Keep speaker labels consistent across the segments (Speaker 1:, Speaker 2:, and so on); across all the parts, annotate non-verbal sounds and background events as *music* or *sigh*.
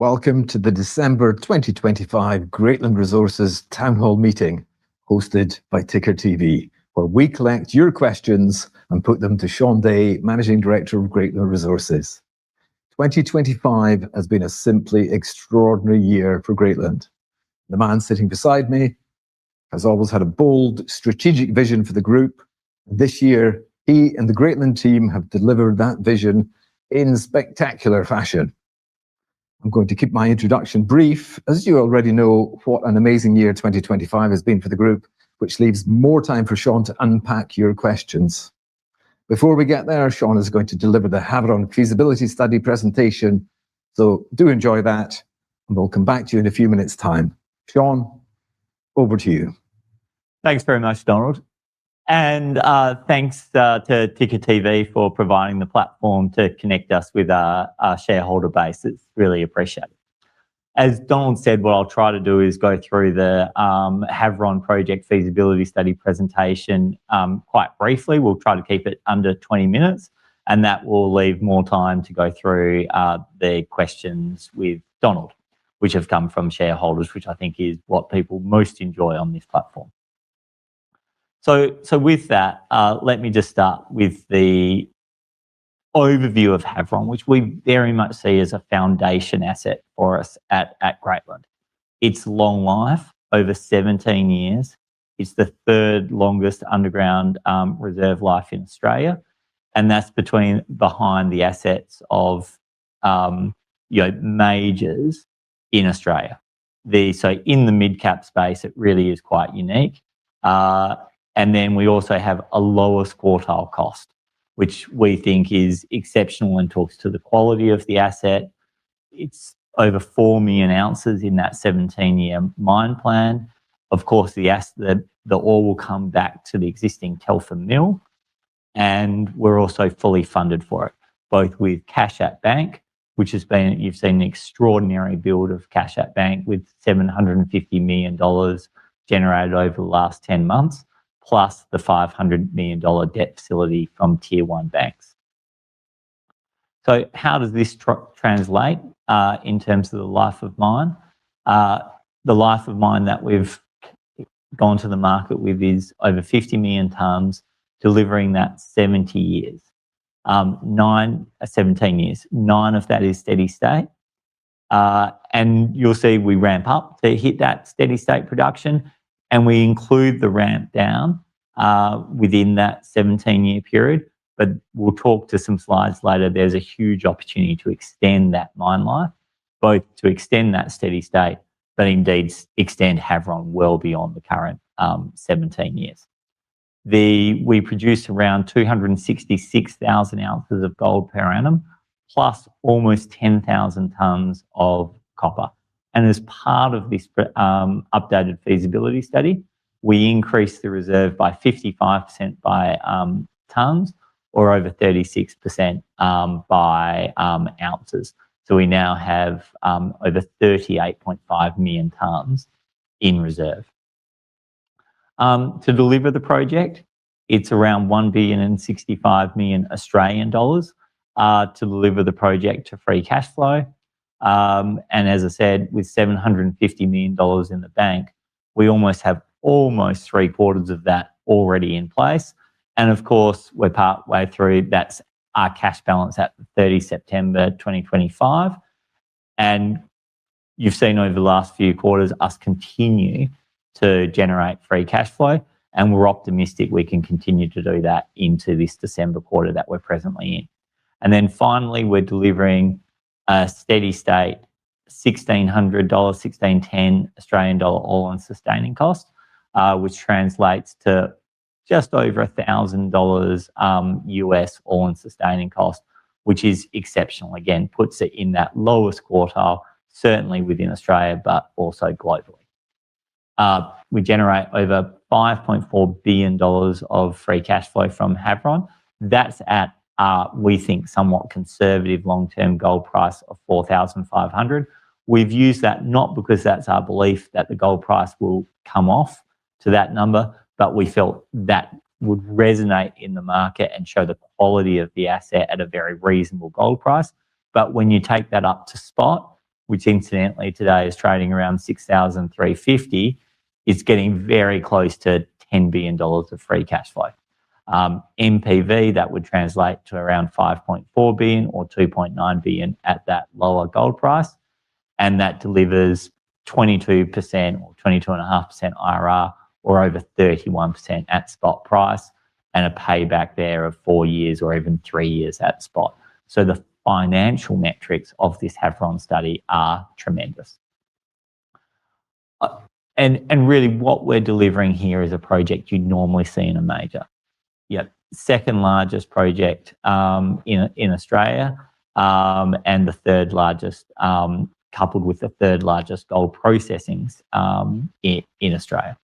Speaker 1: Welcome to the December 2025 Greatland Resources Town Hall meeting hosted by Ticker TV, where we collect your questions and put them to Shaun Day, Managing Director of Greatland Resources. 2025 has been a simply extraordinary year for Greatland. The man sitting beside me has always had a bold strategic vision for the group. This year, he and the Greatland team have delivered that vision in spectacular fashion. I'm going to keep my introduction brief, as you already know what an amazing year 2025 has been for the group, which leaves more time for Shaun to unpack your questions. Before we get there, Shaun is going to deliver the Havieron feasibility study presentation. Do enjoy that, and we'll come back to you in a few minutes time. Shaun, over to you.
Speaker 2: Thanks very much, Donald. Thanks to Ticker TV for providing the platform to connect us with our shareholder base. It's really appreciated. As Donald said, what I'll try to do is go through the Havieron Project feasibility study presentation quite briefly. We'll try to keep it under 20 minutes, and that will leave more time to go through the questions with Donald, which have come from shareholders, which I think is what people most enjoy on this platform. With that, let me just start with the overview of Havieron, which we very much see as a foundation asset for us at Greatland. Its long life, over 17 years, is the third longest underground reserve life in Australia, and that's behind the assets of you know, majors in Australia. In the mid-cap space, it really is quite unique. We also have a lowest quartile cost, which we think is exceptional and talks to the quality of the asset. It's over 4 million ounces in that 17-year mine plan. Of course, the ore will come back to the existing Telfer mill, and we're also fully funded for it, both with cash at bank, which you've seen an extraordinary build of cash at bank with 750 million dollars generated over the last 10 months, plus the 500 million dollar debt facility from Tier 1 banks. How does this translate in terms of the life of mine? The life of mine that we've gone to the market with is over 50 million tonnes, delivering that 17 years. Nine of that is steady state. You'll see we ramp up to hit that steady state production, and we include the ramp down within that 17-year period. We'll talk to some slides later. There's a huge opportunity to extend that mine life, both to extend that steady state, but indeed extend Havieron well beyond the current 17 years. We produce around 266,000 ounces of gold per annum, plus almost 10,000 tonnes of copper. As part of this updated feasibility study, we increased the reserve by 55% by tonnes or over 36% by ounces. We now have over 38.5 million tonnes in reserve. To deliver the project, it's around 1.065 billion to deliver the project to free cash flow. As I said, with 750 million dollars in the bank, we almost have three-quarters of that already in place. Of course, we're partway through. That's our cash balance at 30 September 2025. You've seen over the last few quarters us continue to generate free cash flow, and we're optimistic we can continue to do that into this December quarter that we're presently in. Then finally, we're delivering a steady state 1,600 dollars to 1,610 all-in sustaining cost, which translates to just over $1,000 all-in sustaining cost, which is exceptional. Again, puts it in that lowest quartile, certainly within Australia, but also globally. We generate over 5.4 billion dollars of free cash flow from Havieron. That's at, we think, somewhat conservative long-term gold price of 4,500. We've used that not because that's our belief that the gold price will come off to that number, but we felt that would resonate in the market and show the quality of the asset at a very reasonable gold price. When you take that up to spot, which incidentally today is trading around 6,350, it's getting very close to 10 billion dollars of free cash flow. NPV, that would translate to around 5.4 billion or 2.9 billion at that lower gold price. That delivers 22% or 22.5% IRR or over 31% at spot price and a payback there of four years or even three years at spot. The financial metrics of this Havieron study are tremendous. Really what we're delivering here is a project you'd normally see in a major. You have second largest project in Australia and the third largest coupled with the third largest gold processing in Australia.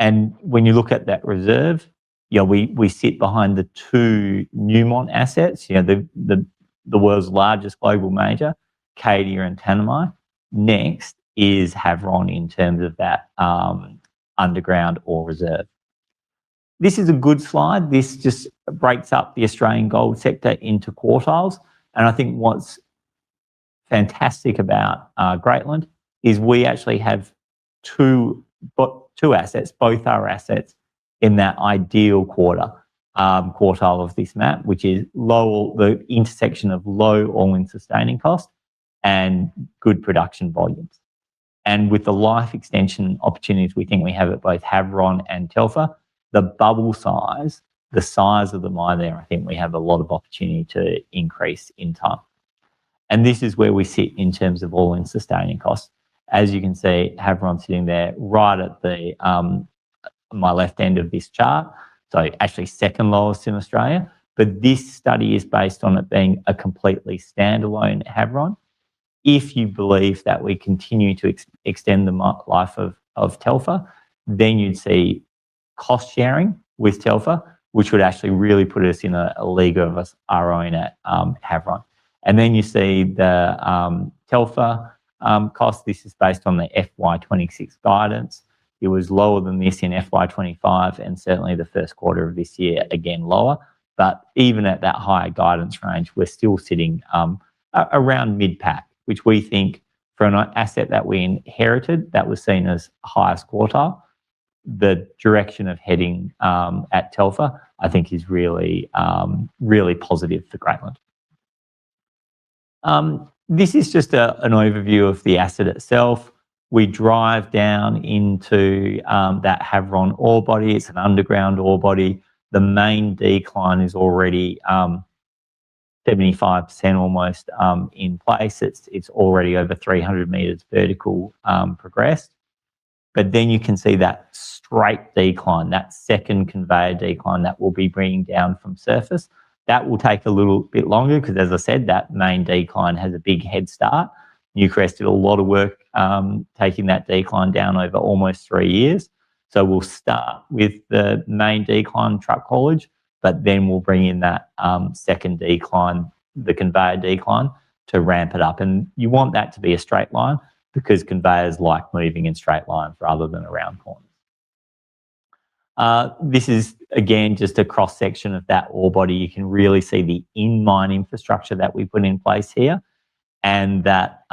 Speaker 2: When you look at that reserve, you know, we sit behind the two Newmont assets, you know, the world's largest global major, Cadia and Tanami. Next is Havieron in terms of that underground ore reserve. This is a good slide. This just breaks up the Australian gold sector into quartiles. I think what's fantastic about Greatland is we actually have two assets. Both our assets in that ideal quartile of this map, which is the intersection of low all-in sustaining cost and good production volumes. With the life extension opportunities we think we have at both Havieron and Telfer, the bubble size, the size of the mine there, I think we have a lot of opportunity to increase in time. This is where we sit in terms of all-in sustaining costs. As you can see, Havieron sitting there right at the my left end of this chart, so actually second lowest in Australia. This study is based on it being a completely standalone Havieron. If you believe that we continue to extend the mine life of Telfer, then you'd see cost sharing with Telfer, which would actually really put us in a league of our own at Havieron. Then you see the Telfer cost. This is based on the fiscal year 2026 guidance. It was lower than this in fiscal year 2025 and certainly the first quarter of this year, again, lower. Even at that higher guidance range, we're still sitting around mid-pack, which we think for an asset that we inherited that was seen as highest quartile, the direction of heading at Telfer, I think is really really positive for Greatland. This is just an overview of the asset itself. We drive down into that Havieron ore body. It's an underground ore body. The main decline is already 75% almost in place. It's already over 300 m vertical progressed. Then you can see that straight decline, that second conveyor decline that we'll be bringing down from surface. That will take a little bit longer because, as I said, that main decline has a big head start. Newcrest did a lot of work taking that decline down over almost three years. We'll start with the main decline truck haulage, but then we'll bring in that second decline, the conveyor decline, to ramp it up. You want that to be a straight line because conveyors like moving in straight lines rather than around corners. This is again just a cross-section of that ore body. You can really see the in-mine infrastructure that we put in place here and that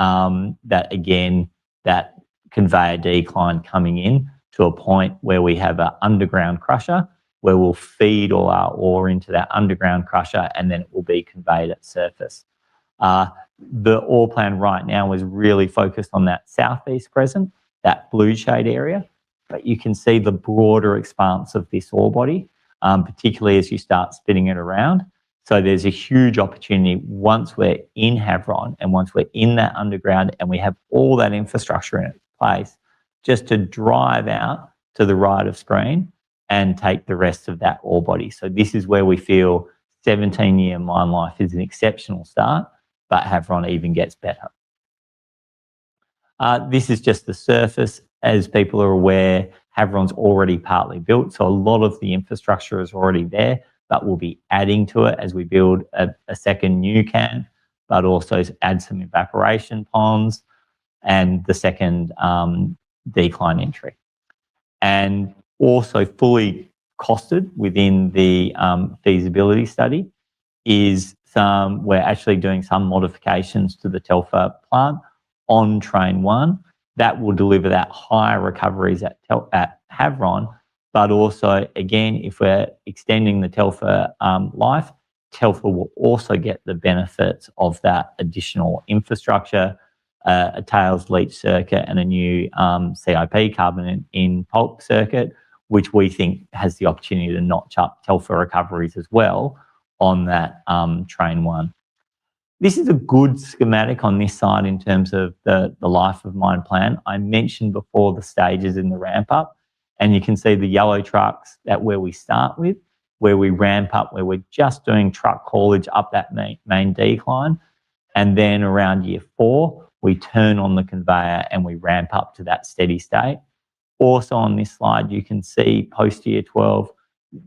Speaker 2: conveyor decline coming into a point where we have an underground crusher, where we'll feed all our ore into that underground crusher, and then it will be conveyed at surface. The ore plan right now is really focused on that southeast crescent, that blue shade area. You can see the broader expanse of this ore body, particularly as you start spinning it around. There's a huge opportunity once we're in Havieron and once we're in that underground, and we have all that infrastructure in place just to drive out to the right of screen and take the rest of that ore body. This is where we feel 17-year mine life is an exceptional start, but Havieron even gets better. This is just the surface. As people are aware, Havieron's already partly built, so a lot of the infrastructure is already there. We'll be adding to it as we build a second new can but also add some evaporation ponds and the second decline entry. Also fully costed within the feasibility study we're actually doing some modifications to the Telfer plant on train one that will deliver that higher recoveries at Havieron. Also again, if we're extending the Telfer life, Telfer will also get the benefits of that additional infrastructure, a tails leach circuit and a new CIP carbon in pulp circuit, which we think has the opportunity to notch up Telfer recoveries as well on that train one. This is a good schematic on this side in terms of the life of mine plan. I mentioned before the stages in the ramp up, and you can see the yellow trucks that's where we start with, where we ramp up, where we're just doing truck haulage up that main decline. Around year four, we turn on the conveyor, and we ramp up to that steady state. Also on this slide, you can see post year 12,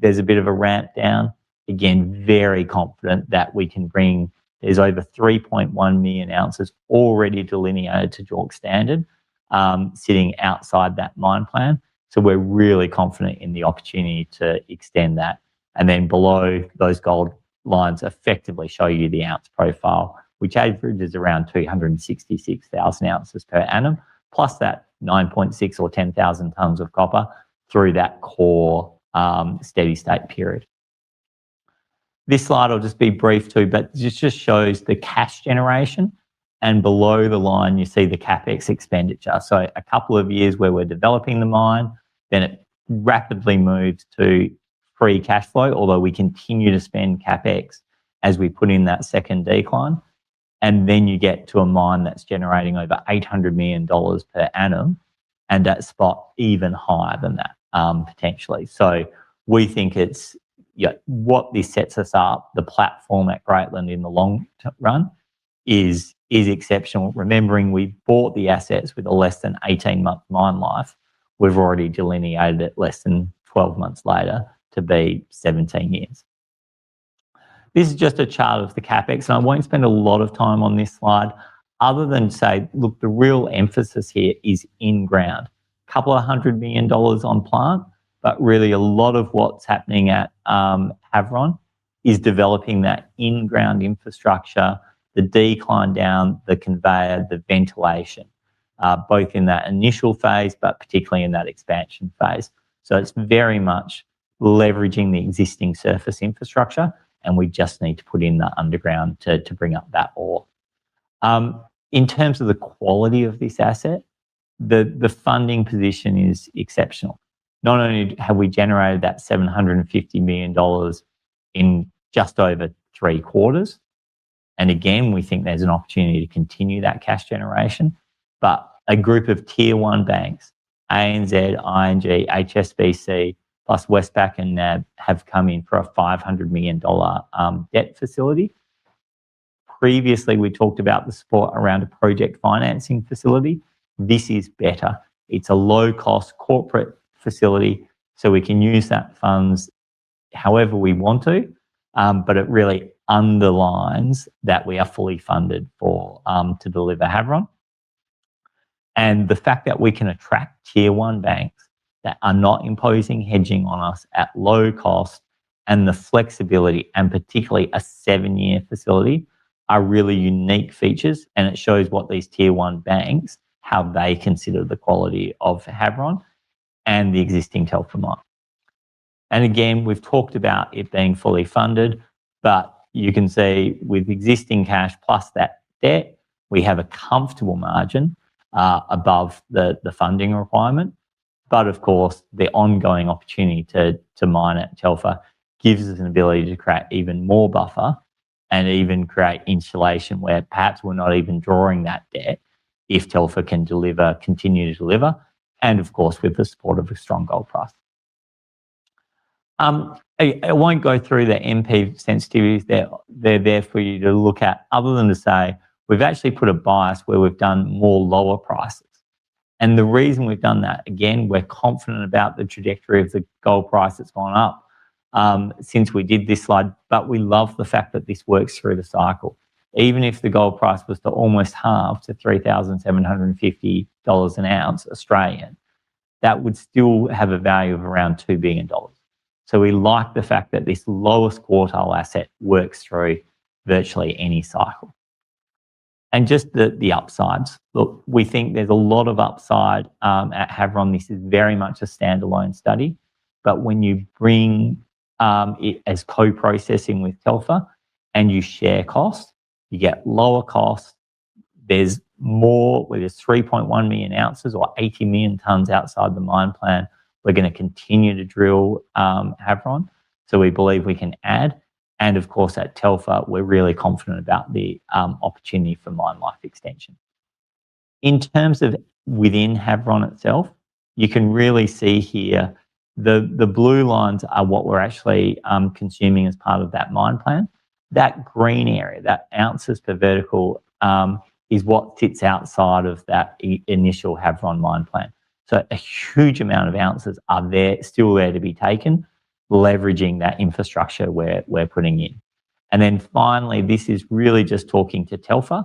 Speaker 2: there's a bit of a ramp down. Again, very confident that we can bring. There's over 3.1 million ounces already delineated to JORC standard, sitting outside that mine plan. We're really confident in the opportunity to extend that. Then below those gold lines effectively show you the ounce profile, which averages around 266,000 ounces per annum, plus that 9,600 or 10,000 tonnes of copper through that core, steady state period. This slide I'll just be brief too, but this just shows the cash generation and below the line you see the CapEx expenditure. A couple of years where we're developing the mine, then it rapidly moves to free cash flow, although we continue to spend CapEx as we put in that second decline. You get to a mine that's generating over 800 million dollars per annum and that spot even higher than that, potentially. We think it's what this sets us up, the platform at Greatland in the long run is exceptional. Remembering we bought the assets with a less than 18-month mine life. We've already delineated it less than 12 months later to be 17 years. This is just a chart of the CapEx, and I won't spend a lot of time on this slide other than say, look, the real emphasis here is in-ground. A couple of hundred million dollars on plant, but really a lot of what's happening at Havieron is developing that in-ground infrastructure, the decline down, the conveyor, the ventilation, both in that initial phase, but particularly in that expansion phase. It's very much leveraging the existing surface infrastructure, and we just need to put in the underground to bring up that ore. In terms of the quality of this asset, the funding position is exceptional. Not only have we generated that 750 million dollars in just over three quarters, and again, we think there's an opportunity to continue that cash generation, but a group of Tier 1 banks, ANZ, ING, HSBC, plus Westpac and NAB have come in for a 500 million dollar debt facility. Previously, we talked about the support around a project financing facility. This is better. It's a low-cost corporate facility, so we can use those funds however we want to, but it really underlines that we are fully funded to deliver Havieron. The fact that we can attract Tier 1 banks that are not imposing hedging on us at low cost and the flexibility, and particularly a seven-year facility, are really unique features, and it shows what these Tier 1 banks, how they consider the quality of Havieron and the existing Telfer mine. We've talked about it being fully funded, but you can see with existing cash plus that debt, we have a comfortable margin above the funding requirement. Of course, the ongoing opportunity to mine at Telfer gives us an ability to create even more buffer and even create insulation where perhaps we're not even drawing that debt if Telfer can deliver, continue to deliver, and of course, with the support of a strong gold price. I won't go through the NPV sensitivities. They're there for you to look at, other than to say, we've actually put a bias where we've done more lower prices. The reason we've done that, again, we're confident about the trajectory of the gold price that's gone up since we did this slide. We love the fact that this works through the cycle. Even if the gold price was to almost 1/2 to 3,750 dollars an ounce Australian, that would still have a value of around 2 billion dollars. We like the fact that this lowest quartile asset works through virtually any cycle. Just the upsides. Look, we think there's a lot of upside at Havieron. This is very much a stand-alone study, but when you bring it as co-processing with Telfer and you share cost, you get lower cost. There's more, where there's 3.1 million ounces or 80 million tonnes outside the mine plan. We're gonna continue to drill Havieron, so we believe we can add. Of course, at Telfer, we're really confident about the opportunity for mine life extension. In terms of within Havieron itself, you can really see here the blue lines are what we're actually consuming as part of that mine plan. That green area, that ounces per vertical is what sits outside of that initial Havieron mine plan. So a huge amount of ounces are there, still there to be taken, leveraging that infrastructure we're putting in. Then finally, this is really just talking to Telfer.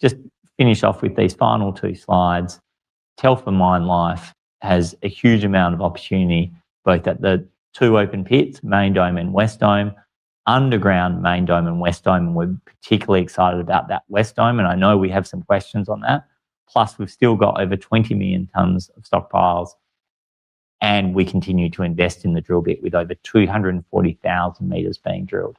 Speaker 2: Just finish off with these final two slides. Telfer mine life has a huge amount of opportunity, both at the two open pits, Main Dome and West Dome. Underground Main Dome and West Dome, and we're particularly excited about that West Dome, and I know we have some questions on that. Plus, we've still got over 20 million tonnes of stockpiles, and we continue to invest in the drill bit with over 240,000 m being drilled.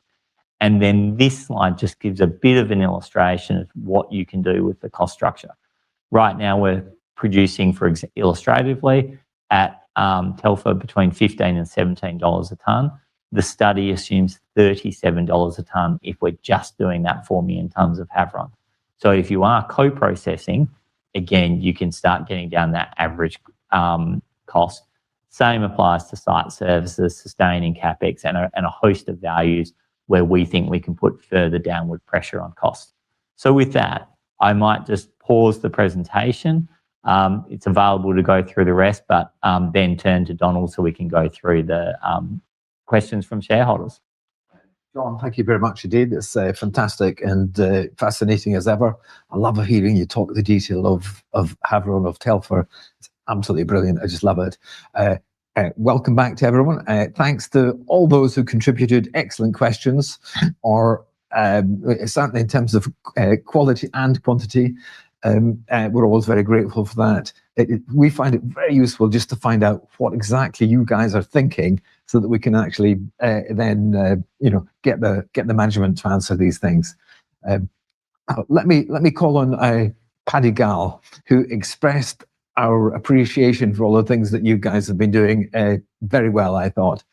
Speaker 2: Then this slide just gives a bit of an illustration of what you can do with the cost structure. Right now, we're producing illustratively at Telfer between 15 to 17 a tonne. The study assumes 37 dollars a tonne if we're just doing that 4 million tonnes of Havieron. So, if you are co-processing, again, you can start getting down that average cost. Same applies to site services, sustaining CapEx, and a host of values where we think we can put further downward pressure on cost. With that, I might just pause the presentation. It's available to go through the rest but then turn to Donald so we can go through the questions from shareholders.
Speaker 1: Shaun, thank you very much indeed. It's fantastic and fascinating as ever. I love hearing you talk the detail of Havieron, of Telfer. It's absolutely brilliant. I just love it. Welcome back to everyone. Thanks to all those who contributed excellent questions or certainly in terms of quality and quantity, we're always very grateful for that. We find it very useful just to find out what exactly you guys are thinking so that we can actually then you know get the management to answer these things. Let me call on Paddy Gall, who expressed our appreciation for all the things that you guys have been doing very well, I thought.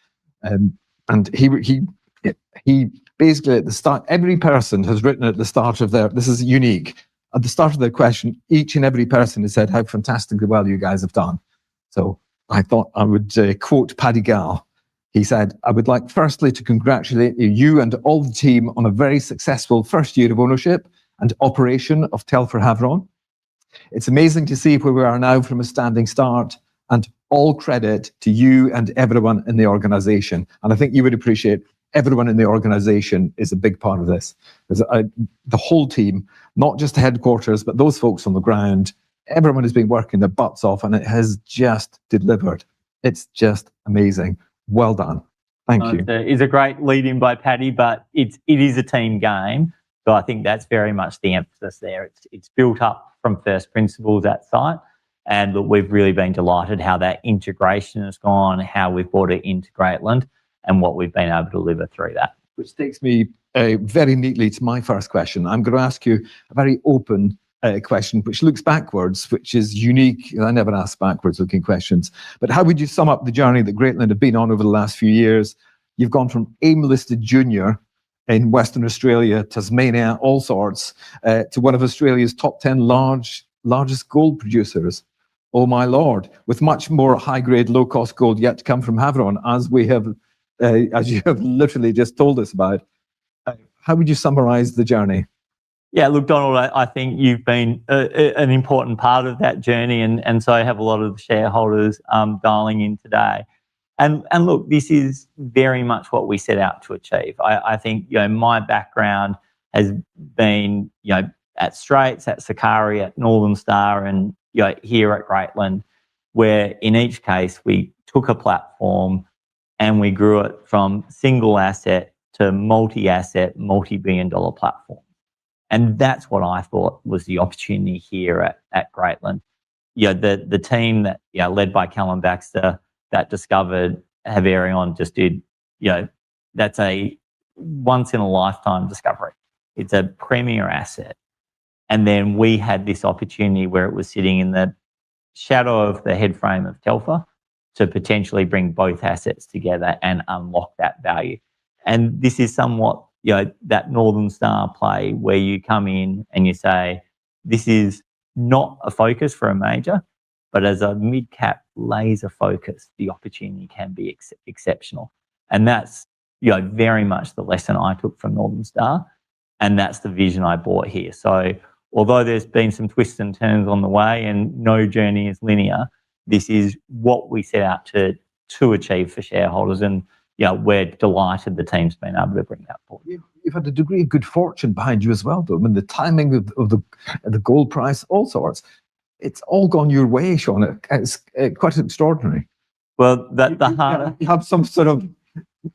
Speaker 1: He basically at the start every person has written at the start of their. This is unique. At the start of their question, each and every person has said how fantastically well you guys have done. I thought I would quote Paddy Gall. He said, "I would like firstly to congratulate you and all the team on a very successful first year of ownership and operation of Telfer Havieron." It's amazing to see where we are now from a standing start and all credit to you and everyone in the organization. I think you would appreciate everyone in the organization is a big part of this. There's the whole team, not just the headquarters, but those folks on the ground, everyone has been working their butts off and it has just delivered. It's just amazing. Well done. Thank you.
Speaker 2: That is a great lead in by Paddy, but it is a team game. I think that's very much the emphasis there. It's built up from first principles, that site, and look, we've really been delighted how that integration has gone, how we've brought it into Greatland, and what we've been able to deliver through that.
Speaker 1: Which takes me very neatly to my first question. I'm gonna ask you a very open question which looks backwards, which is unique. You know, I never ask backwards-looking questions, but how would you sum up the journey that Greatland have been on over the last few years? You've gone from AIM-listed junior in Western Australia, Tasmania, all sorts, to one of Australia's top ten largest gold producers. Oh, my lord. With much more high grade, low-cost gold yet to come from Havieron, as you have literally just told us about. How would you summarize the journey?
Speaker 2: Yeah, look, Donald, I think you've been an important part of that journey and so I have a lot of shareholders dialing in today. Look, this is very much what we set out to achieve. I think, you know, my background has been, you know, at Straits, at Sakari, at Northern Star, and, you know, here at Greatland, where in each case, we took a platform and we grew it from single asset to multi-asset, multi-billion-dollar platform. That's what I thought was the opportunity here at Greatland. You know, the team led by Callum Baxter that discovered Havieron just did, you know. That's a once in a lifetime discovery. It's a premier asset. Then we had this opportunity where it was sitting in the shadow of the headframe of Telfer to potentially bring both assets together and unlock that value. This is somewhat, you know, that Northern Star play where you come in and you say, "This is not a focus for a major, but as a mid-cap laser focus, the opportunity can be exceptional." That's, you know, very much the lesson I took from Northern Star, and that's the vision I bought here. Although there's been some twists and turns on the way and no journey is linear, this is what we set out to achieve for shareholders and, you know, we're delighted the team's been able to bring that forward.
Speaker 1: You've had a degree of good fortune behind you as well, though. I mean, the timing of the gold price, all sorts. It's all gone your way, Shaun. It's quite extraordinary.
Speaker 2: Well, the harder... *crosstalk*
Speaker 1: You have some sort of,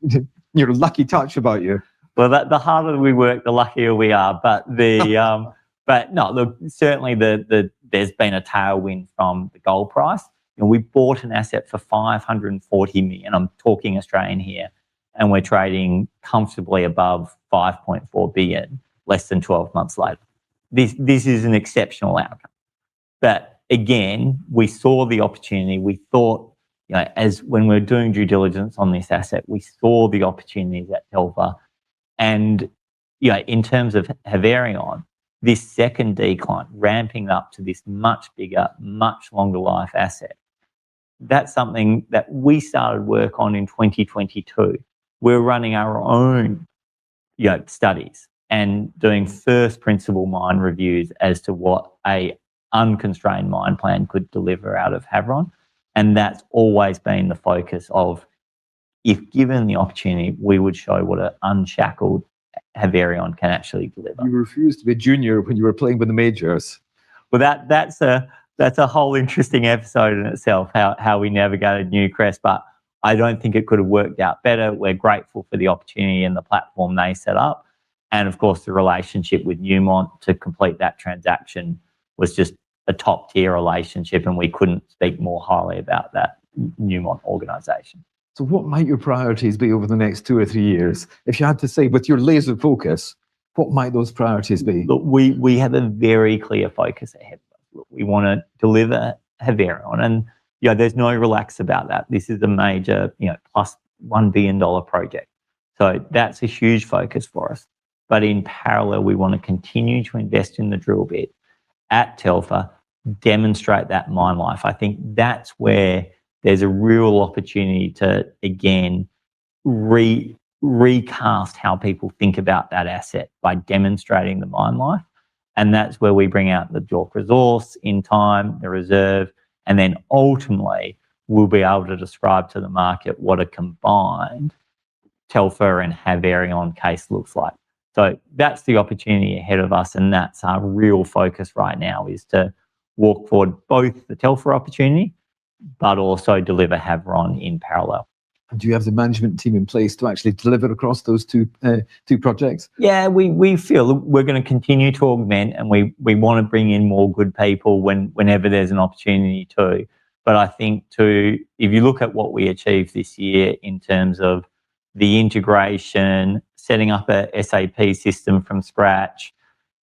Speaker 1: you know, lucky touch about you.
Speaker 2: Well, the harder we work, the luckier we are. No, certainly there's been a tailwind from the gold price, and we bought an asset for 540 million. I'm talking Australian here, and we're trading comfortably above 5.4 billion less than 12 months later. This is an exceptional outcome. Again, we saw the opportunity. We thought, you know, and when we were doing due diligence on this asset, we saw the opportunity at Telfer. You know, in terms of Havieron, this second decline, ramping up to this much bigger, much longer life asset, that's something that we started work on in 2022. We're running our own, you know, studies and doing first principles mine reviews as to what an unconstrained mine plan could deliver out of Havieron, and that's always been the focus of if given the opportunity, we would show what an unshackled Havieron can actually deliver.
Speaker 1: You refused to be a junior when you were playing with the majors.
Speaker 2: Well, that's a whole interesting episode in itself how we navigated Newcrest, but I don't think it could've worked out better. We're grateful for the opportunity and the platform they set up, and of course, the relationship with Newmont to complete that transaction was just a top-tier relationship, and we couldn't speak more highly about that Newmont organization.
Speaker 1: What might your priorities be over the next two or three years? If you had to say, with your laser focus, what might those priorities be?
Speaker 2: Look, we have a very clear focus ahead of us. Look, we wanna deliver Havieron and, you know, there's no relax about that. This is a major, you know, +1 billion dollar project, so that's a huge focus for us. In parallel, we want to continue to invest in the drill bit. At Telfer, demonstrate that mine life. I think that's where there's a real opportunity to, again, recast how people think about that asset by demonstrating the mine life and that's where we bring out the JORC Resource in time, the reserve, and then ultimately, we'll be able to describe to the market what a combined Telfer and Havieron case looks like. That's the opportunity ahead of us, and that's our real focus right now, is to work toward both the Telfer opportunity but also deliver Havieron in parallel.
Speaker 1: Do you have the management team in place to actually deliver across those two projects?
Speaker 2: Yeah. We feel. Look, we're gonna continue to augment and we want to bring in more good people whenever there's an opportunity to. I think, too, if you look at what we achieved this year in terms of the integration, setting up a SAP system from scratch,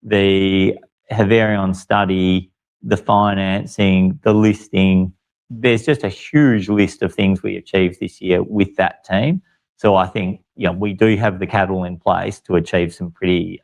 Speaker 2: the Havieron study, the financing, the listing, there's just a huge list of things we achieved this year with that team. I think, you know, we do have the capital in place to achieve some pretty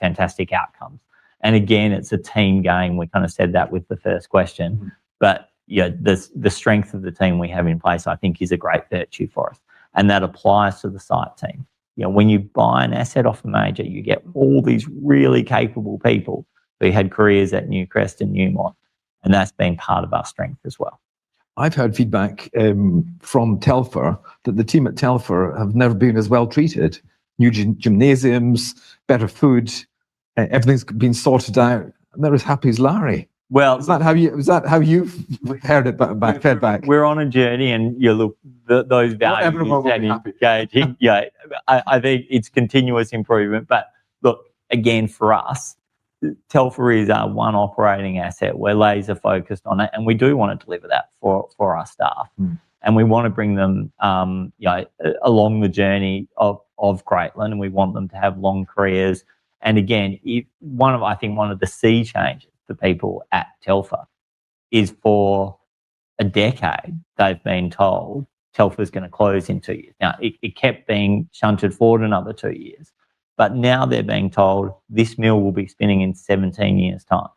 Speaker 2: fantastic outcomes. Again, it's a team game. We kind of said that with the first question.
Speaker 1: Mm.
Speaker 2: You know, the strength of the team we have in place I think is a great virtue for us, and that applies to the site team. You know, when you buy an asset off a major, you get all these really capable people who had careers at Newcrest and Newmont, and that's been part of our strength as well.
Speaker 1: I've heard feedback from Telfer that the team at Telfer have never been as well-treated. New gymnasiums, better food, everything's been sorted out. They're as happy as Larry.
Speaker 2: Well... *crosstalk*
Speaker 1: Is that how you've heard it fed back?
Speaker 2: We're on a journey, and yeah, look, those values... *crosstalk*
Speaker 1: Everyone's always happy.
Speaker 2: We have been engaging. Yeah. I think it's continuous improvement. Look, again for us, Telfer is our one operating asset. We're laser focused on it, and we do want to deliver that for our staff.
Speaker 1: Mm.
Speaker 2: We want to bring them along the journey of Greatland, and we want them to have long careers. Again, I think one of the sea changes for people at Telfer is for a decade, they've been told Telfer's gonna close in two years. Now, it kept being shunted forward another two years, but now they're being told, "This mill will be spinning in 17 years' time."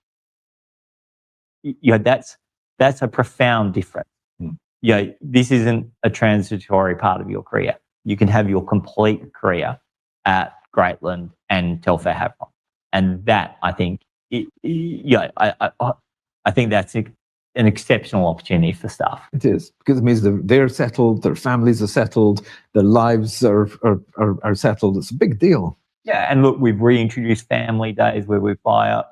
Speaker 2: You know, that's a profound difference.
Speaker 1: Mm.
Speaker 2: You know, this isn't a transitory part of your career. You can have your complete career at Greatland and Telfer have one, and that, I think, you know, I think that's an exceptional opportunity for staff.
Speaker 1: It is because it means that they're settled, their families are settled, their lives are settled. It's a big deal.
Speaker 2: Yeah. Look, we've reintroduced family days where we fly out,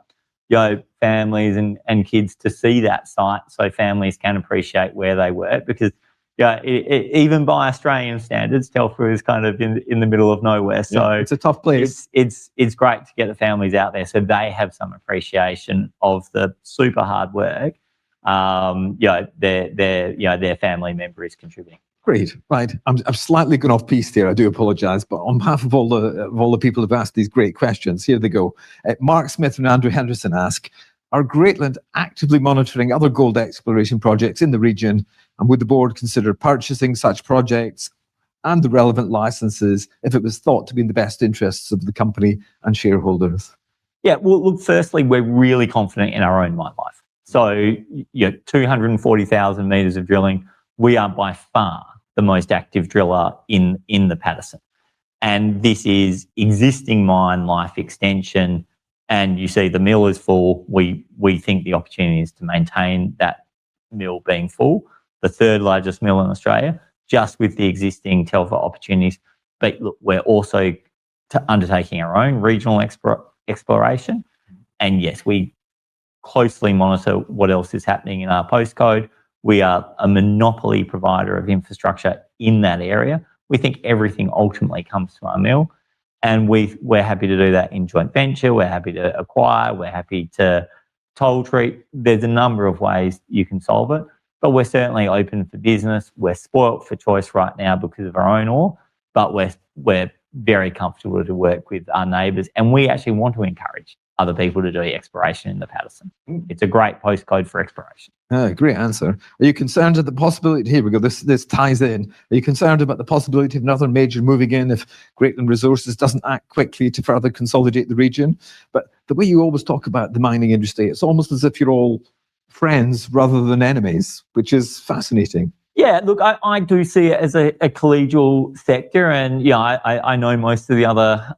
Speaker 2: you know, families and kids to see that site, so families can appreciate where they work because, yeah, even by Australian standards, Telfer is kind of in the middle of nowhere.
Speaker 1: Yeah.
Speaker 2: So... *crosstalk*
Speaker 1: It's a tough place.
Speaker 2: It's great to get the families out there, so they have some appreciation of the super hard work, you know, their family member is contributing.
Speaker 1: Great. Right. I've slightly gone off piste here. I do apologize, but on behalf of all the people who've asked these great questions, here they go. Mark Smith and Andrew Henderson ask, "Are Greatland actively monitoring other gold exploration projects in the region? And would the board consider purchasing such projects and the relevant licenses if it was thought to be in the best interests of the company and shareholders?"
Speaker 2: Yeah. Well, look, firstly, we're really confident in our own mine life. You know, 240,000 m of drilling, we are by far the most active driller in the Paterson, and this is existing mine life extension, and you see the mill is full. We think the opportunity is to maintain that mill being full, the third largest mill in Australia, just with the existing Telfer opportunities. Look, we're also undertaking our own regional exploration. Yes, we closely monitor what else is happening in our postcode. We are a monopoly provider of infrastructure in that area. We think everything ultimately comes to our mill, and we're happy to do that in joint venture. We're happy to acquire. We're happy to toll treat. There's a number of ways you can solve it, but we're certainly open for business. We're spoiled for choice right now because of our own ore, but we're very comfortable to work with our neighbors, and we actually want to encourage other people to do exploration in the Paterson.
Speaker 1: Mm.
Speaker 2: It's a great postcode for exploration.
Speaker 1: Great answer. This ties in. Are you concerned about the possibility of another major move again if Greatland Resources doesn't act quickly to further consolidate the region? The way you always talk about the mining industry, it's almost as if you're all friends rather than enemies, which is fascinating.
Speaker 2: Yeah. Look, I do see it as a collegial sector. Yeah, I know most of the other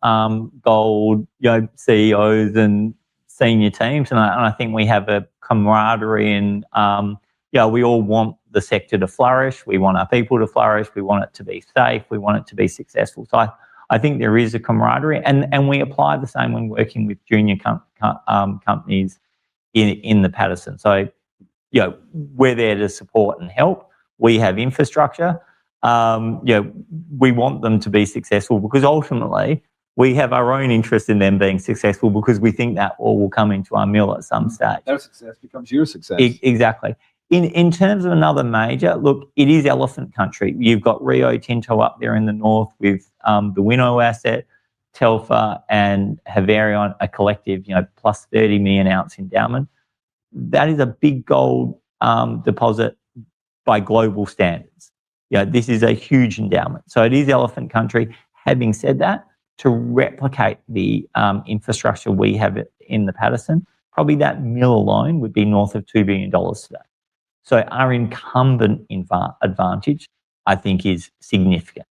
Speaker 2: gold, you know, CEOs and senior teams, and I think we have a camaraderie, yeah, we all want the sector to flourish. We want our people to flourish. We want it to be safe. We want it to be successful. I think there is a camaraderie, and we apply the same when working with junior companies in the Paterson. You know, we're there to support and help. We have infrastructure. You know, we want them to be successful because ultimately we have our own interest in them being successful because we think that all will come into our mill at some stage.
Speaker 1: Their success becomes your success.
Speaker 2: Exactly. In terms of another major, look, it is elephant country. You've got Rio Tinto up there in the north with the Winu asset, Telfer and Havieron, a collective, you know, +30 million-ounce endowment. That is a big gold deposit by global standards. You know, this is a huge endowment. It is elephant country. Having said that, to replicate the infrastructure we have in the Paterson, probably that mill alone would be north of 2 billion dollars today. Our incumbent advantage, I think, is significant.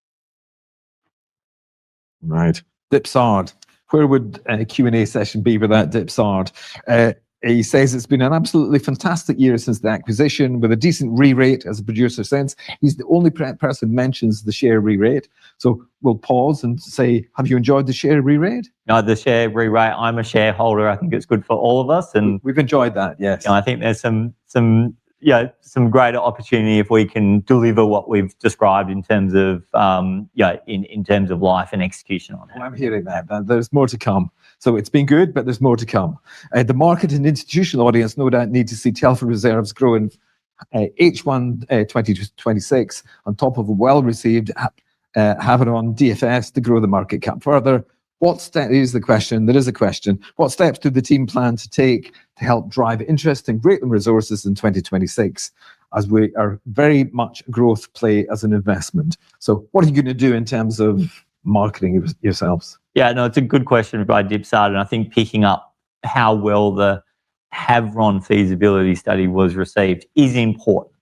Speaker 1: Right. Dipsad. Where would a Q&A session be without Dipsad? He says, "It's been an absolutely fantastic year since the acquisition with a decent re-rate as a producer" since he's the only person mentions the share re-rate. We'll pause and say, have you enjoyed the share re-rate?
Speaker 2: Oh, the share re-rate. I'm a shareholder. I think it's good for all of us, and.
Speaker 1: We've enjoyed that, yes.
Speaker 2: I think there's some, you know, some greater opportunity if we can deliver what we've described in terms of life and execution on that.
Speaker 1: Well, I'm hearing that. There's more to come. It's been good, but there's more to come. The market and institutional audience no doubt need to see Telfer reserves grow in first half 2026 on top of a well-received Havieron DFS to grow the market cap further. Here's the question. There is a question. What steps do the team plan to take to help drive interest in Greatland Resources in 2026 as we are very much growth play as an investment? What are you gonna do in terms of marketing yourselves?
Speaker 2: Yeah, no, it's a good question by Dipsad, and I think picking up how well the Havieron feasibility study was received is important.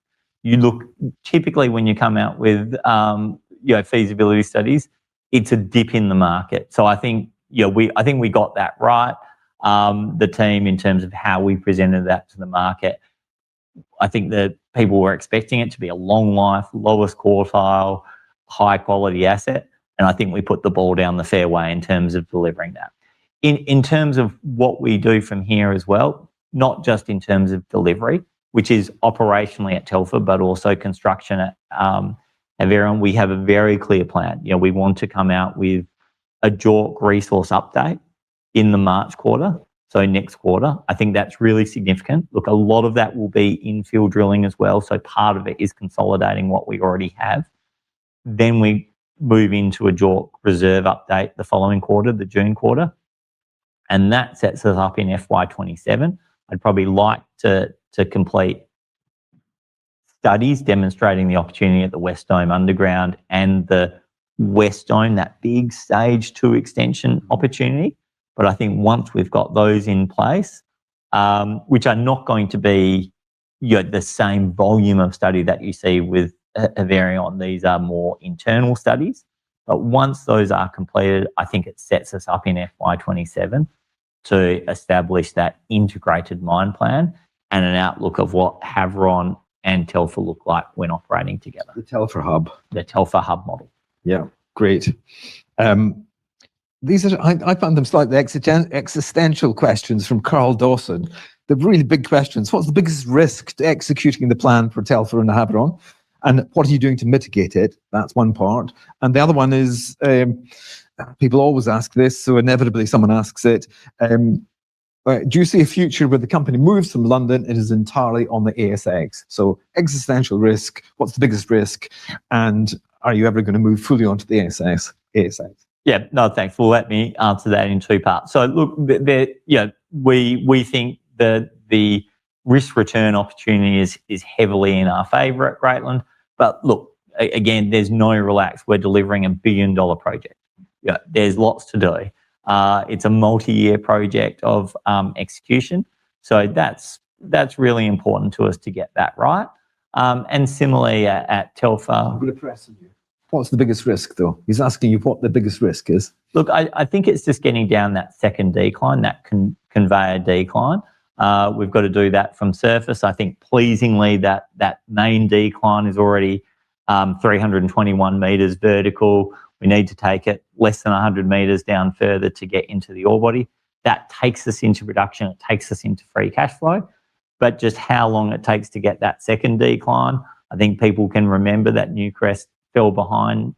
Speaker 2: Typically, when you come out with, you know, feasibility studies, it's a dip in the market. So I think, you know, we got that right. The team in terms of how we presented that to the market, I think that people were expecting it to be a long life, lowest quartile, high quality asset, and I think we put the ball down the fairway in terms of delivering that. In terms of what we do from here as well, not just in terms of delivery, which is operationally at Telfer, but also construction at Havieron, we have a very clear plan. You know, we want to come out with a JORC resource update in the March quarter, so next quarter. I think that's really significant. Look, a lot of that will be in-field drilling as well, so part of it is consolidating what we already have. We move into a JORC reserve update the following quarter, the June quarter. That sets us up in fiscal year 2027. I'd probably like to complete studies demonstrating the opportunity at the West Dome underground and the West Dome, that big Stage 2 Extension opportunity. I think once we've got those in place, which are not going to be, you know, the same volume of study that you see with Havieron. These are more internal studies. Once those are completed, I think it sets us up in fiscal year 2027 to establish that integrated mine plan and an outlook of what Havieron and Telfer look like when operating together.
Speaker 1: The Telfer hub.
Speaker 2: The Telfer hub model.
Speaker 1: Yeah. Great. I find them slightly existential questions from Carl Dawson. They're really big questions. What's the biggest risk to executing the plan for Telfer and Havieron? And what are you doing to mitigate it? That's one part. The other one is, people always ask this, so inevitably someone asks it, do you see a future where the company moves from London and is entirely on the ASX? Existential risk, what's the biggest risk, and are you ever gonna move fully onto the ASX?
Speaker 2: Yeah. No, thanks. Well, let me answer that in two parts. Look, the you know, we think the risk-return opportunity is heavily in our favor at Greatland. Look, again, there's no relax. We're delivering a billion-dollar project. You know, there's lots to do. It's a multi-year project of execution. That's really important to us to get that right. Similarly at Telfer-
Speaker 1: I'm gonna press you. What's the biggest risk though? He's asking you what the biggest risk is.
Speaker 2: Look, I think it's just getting down that second decline, that conveyor decline. We've got to do that from surface. I think pleasingly that main decline is already 321 m vertical. We need to take it less than 100 m down further to get into the ore body. That takes us into production, it takes us into free cash flow. Just how long it takes to get that second decline, I think people can remember that Newcrest fell behind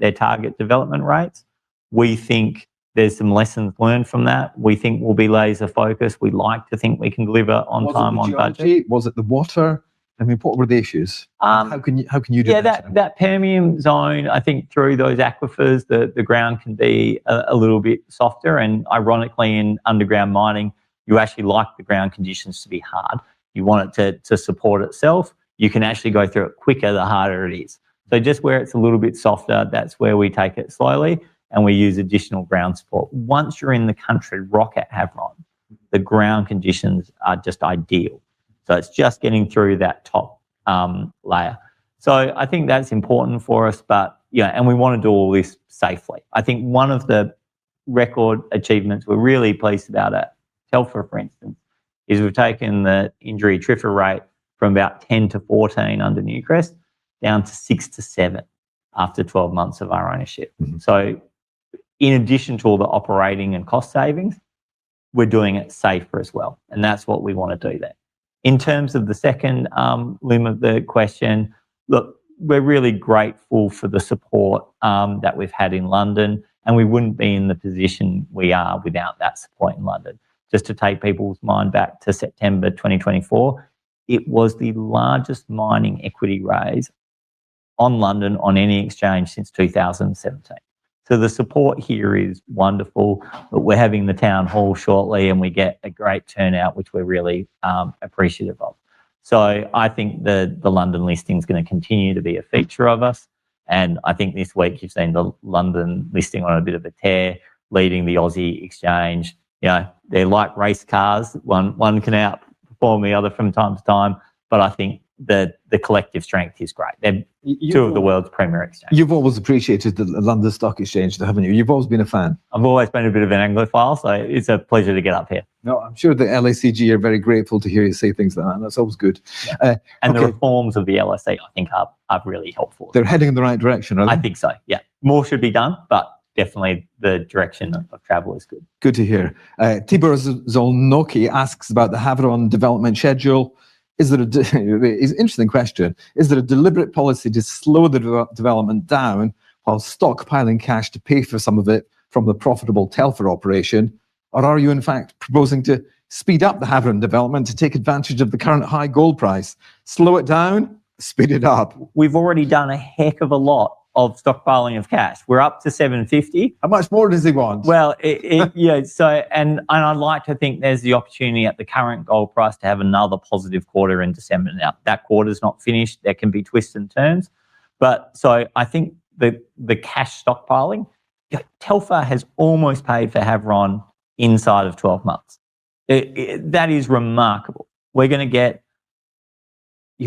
Speaker 2: their target development rates. We think there's some lessons learned from that. We think we'll be laser-focused. We like to think we can deliver on time, on budget.
Speaker 1: Was it the geology? Was it the water? I mean, what were the issues?
Speaker 2: Um... *crosstalk*
Speaker 1: How can you do this?
Speaker 2: Yeah, that Permian zone, I think through those aquifers, the ground can be a little bit softer. Ironically, in underground mining, you actually like the ground conditions to be hard. You want it to support itself. You can actually go through it quicker, the harder it is. Just where it's a little bit softer, that's where we take it slowly and we use additional ground support. Once you're in the country rock at Havieron, the ground conditions are just ideal. It's just getting through that top layer. I think that's important for us, but yeah, we want to do all this safely. I think one of the record achievements we're really pleased about at Telfer, for instance, is we've taken the injury TRIFR rate from about 10.0 to 14.0 under Newcrest down to 6.0 to 7.0 after 12 months of our ownership.
Speaker 1: Mm-hmm.
Speaker 2: In addition to all the operating and cost savings, we're doing it safer as well and that's what we wanna do there. In terms of the second limb of the question, look, we're really grateful for the support that we've had in London and we wouldn't be in the position we are without that support in London. Just to take people's mind back to September 2024, it was the largest mining equity raise on London on any exchange since 2017. The support here is wonderful. We're having the town hall shortly, and we get a great turnout, which we're really appreciative of. I think the London listing's gonna continue to be a feature of us, and I think this week you've seen the London listing on a bit of a tear, leading the Aussie exchange. You know, they like race cars. One can outperform the other from time to time, but I think the collective strength is great. They're two of the world's premier exchanges.
Speaker 1: You've always appreciated the London Stock Exchange, though, haven't you? You've always been a fan.
Speaker 2: I've always been a bit of an Anglophile, so it's a pleasure to get up here.
Speaker 1: No, I'm sure the LSEG are very grateful to hear you say things like that. That's always good. Okay.
Speaker 2: The reforms of the LSE, I think, are really helpful.
Speaker 1: They're heading in the right direction, aren't they?
Speaker 2: I think so, yeah. More should be done, but definitely the direction of travel is good.
Speaker 1: Good to hear. Tibor Zolnoki asks about the Havieron development schedule. It's an interesting question. Is it a deliberate policy to slow the development down while stockpiling cash to pay for some of it from the profitable Telfer operation? Or are you, in fact, proposing to speed up the Havieron development to take advantage of the current high gold price? Slow it down, speed it up.
Speaker 2: We've already done a heck of a lot of stockpiling of cash. We're up to 750 million.
Speaker 1: How much more does he want?
Speaker 2: I'd like to think there's the opportunity at the current gold price to have another positive quarter in December. Now, that quarter's not finished. There can be twists and turns. I think the cash stockpiling, Telfer has almost paid for Havieron inside of 12 months. That is remarkable. You've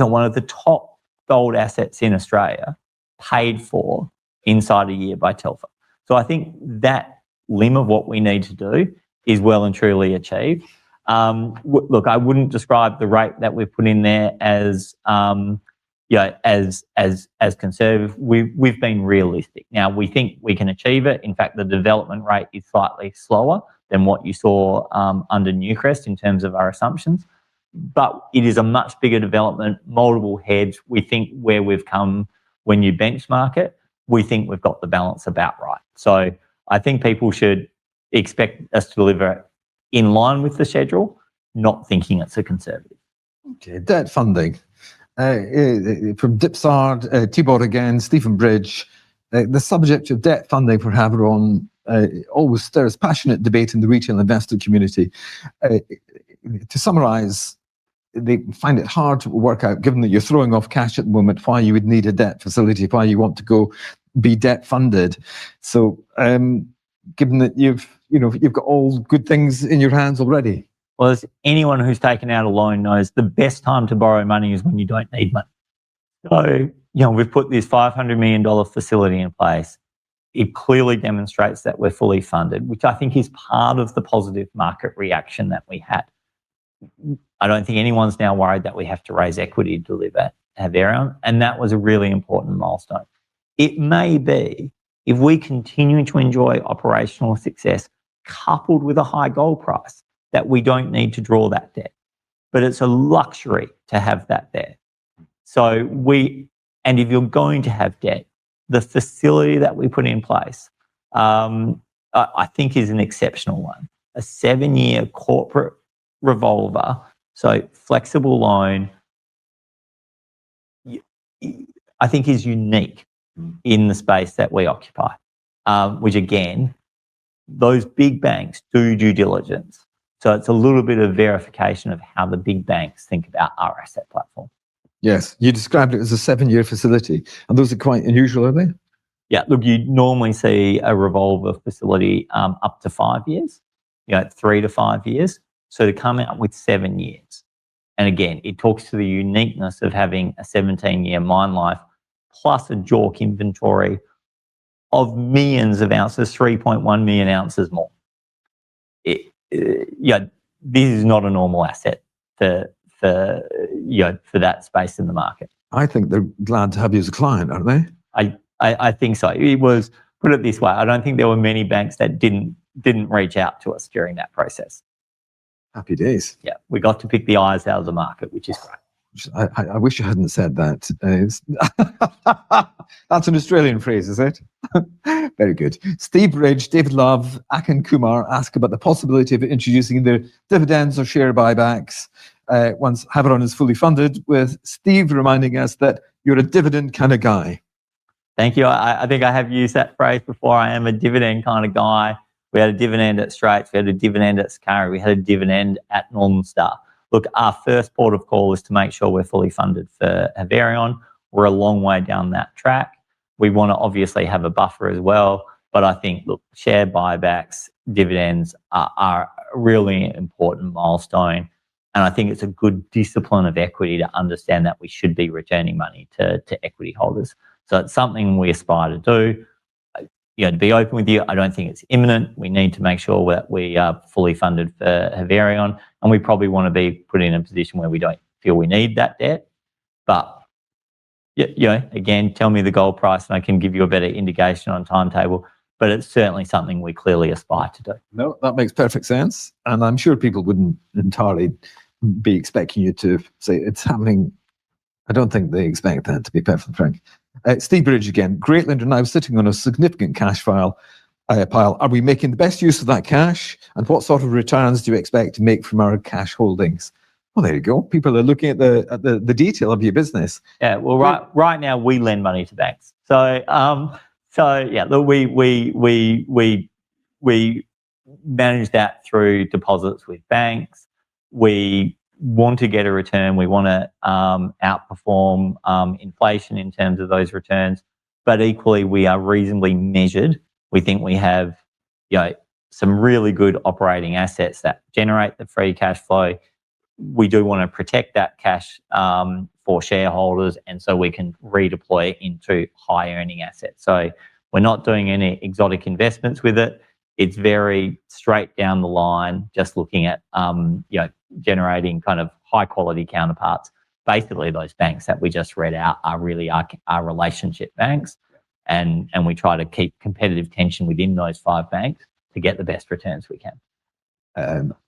Speaker 2: got one of the top gold assets in Australia paid for inside a year by Telfer. I think that limb of what we need to do is well and truly achieved. I wouldn't describe the rate that we've put in there as conservative. We've been realistic. Now, we think we can achieve it. In fact, the development rate is slightly slower than what you saw under Newcrest in terms of our assumptions. It is a much bigger development, multiple heads. We think where we've come when you benchmark it, we think we've got the balance about right. I think people should expect us to deliver in line with the schedule, not thinking it's a conservative.
Speaker 1: Okay, debt funding from Dipsard, Tibor Zolnoki again, Stephen Bridge. The subject of debt funding for Havieron always stirs passionate debate in the retail investor community. To summarize, they find it hard to work out, given that you're throwing off cash at the moment, why you would need a debt facility, why you want to go be debt funded. Given that you've, you know, you've got all good things in your hands already.
Speaker 2: Well, as anyone who's taken out a loan knows, the best time to borrow money is when you don't need money. You know, we've put this 500 million dollar facility in place. It clearly demonstrates that we're fully funded, which I think is part of the positive market reaction that we had. I don't think anyone's now worried that we have to raise equity to deliver Havieron, and that was a really important milestone. It may be if we continue to enjoy operational success coupled with a high gold price, that we don't need to draw that debt. It's a luxury to have that debt. And if you're going to have debt, the facility that we put in place, I think is an exceptional one. A seven-year corporate revolver, so flexible loan, I think is unique in the space that we occupy. Which again, those big banks do due diligence. It's a little bit of verification of how the big banks think about our asset platform.
Speaker 1: Yes. You described it as a seven-year facility, and those are quite unusual, aren't they?
Speaker 2: Yeah. Look, you'd normally see a revolver facility up to five years. You know, three to five years. To come out with seven years. Again, it talks to the uniqueness of having a 17-year mine life plus a JORC inventory of millions of ounces, 3.1 million ounces more. You know, this is not a normal asset for that space in the market.
Speaker 1: I think they're glad to have you as a client, aren't they?
Speaker 2: I think so. Put it this way. I don't think there were many banks that didn't reach out to us during that process.
Speaker 1: Happy days.
Speaker 2: Yeah. We got to pick the eyes out of the market, which is... *crosstalk*
Speaker 1: I wish you hadn't said that. That's an Australian phrase, is it? Very good. Stephen Bridge, David Love, Akin Kumar ask about the possibility of introducing the dividends or share buybacks, once Havieron is fully funded, with Stephen reminding us that you're a dividend kind of guy.
Speaker 2: Thank you. I think I have used that phrase before. I am a dividend kind of guy. We had a dividend at Straits. We had a dividend at Sakari. We had a dividend at Northern Star. Look, our first port of call is to make sure we're fully funded for Havieron. We're a long way down that track. We want to obviously have a buffer as well, but I think, look, share buybacks, dividends are a really important milestone, and I think it's a good discipline of equity to understand that we should be returning money to equity holders. It's something we aspire to do. You know, to be open with you, I don't think it's imminent. We need to make sure that we are fully funded for Havieron, and we probably want to be put in a position where we don't feel we need that debt. You know, again, tell me the gold price and I can give you a better indication on timetable, but it's certainly something we clearly aspire to do.
Speaker 1: No, that makes perfect sense. I'm sure people wouldn't entirely be expecting you to say it's happening. I don't think they expect that, to be perfectly frank. Stephen Bridge again. Greatland, I was sitting on a significant cash pile. Are we making the best use of that cash? And what sort of returns do we expect to make from our cash holdings? Well, there you go. People are looking at the detail of your business.
Speaker 2: Well, right now we lend money to banks. Yeah, look, we manage that through deposits with banks. We want to get a return. We want to outperform inflation in terms of those returns. Equally, we are reasonably measured. We think we have, you know, some really good operating assets that generate the free cash flow. We do want to protect that cash for shareholders, and so we can redeploy into high-earning assets. We're not doing any exotic investments with it. It's very straight down the line, just looking at, you know, generating kind of high-quality counterparts. Basically, those banks that we just read out are really our relationship banks. We try to keep competitive tension within those five banks to get the best returns we can.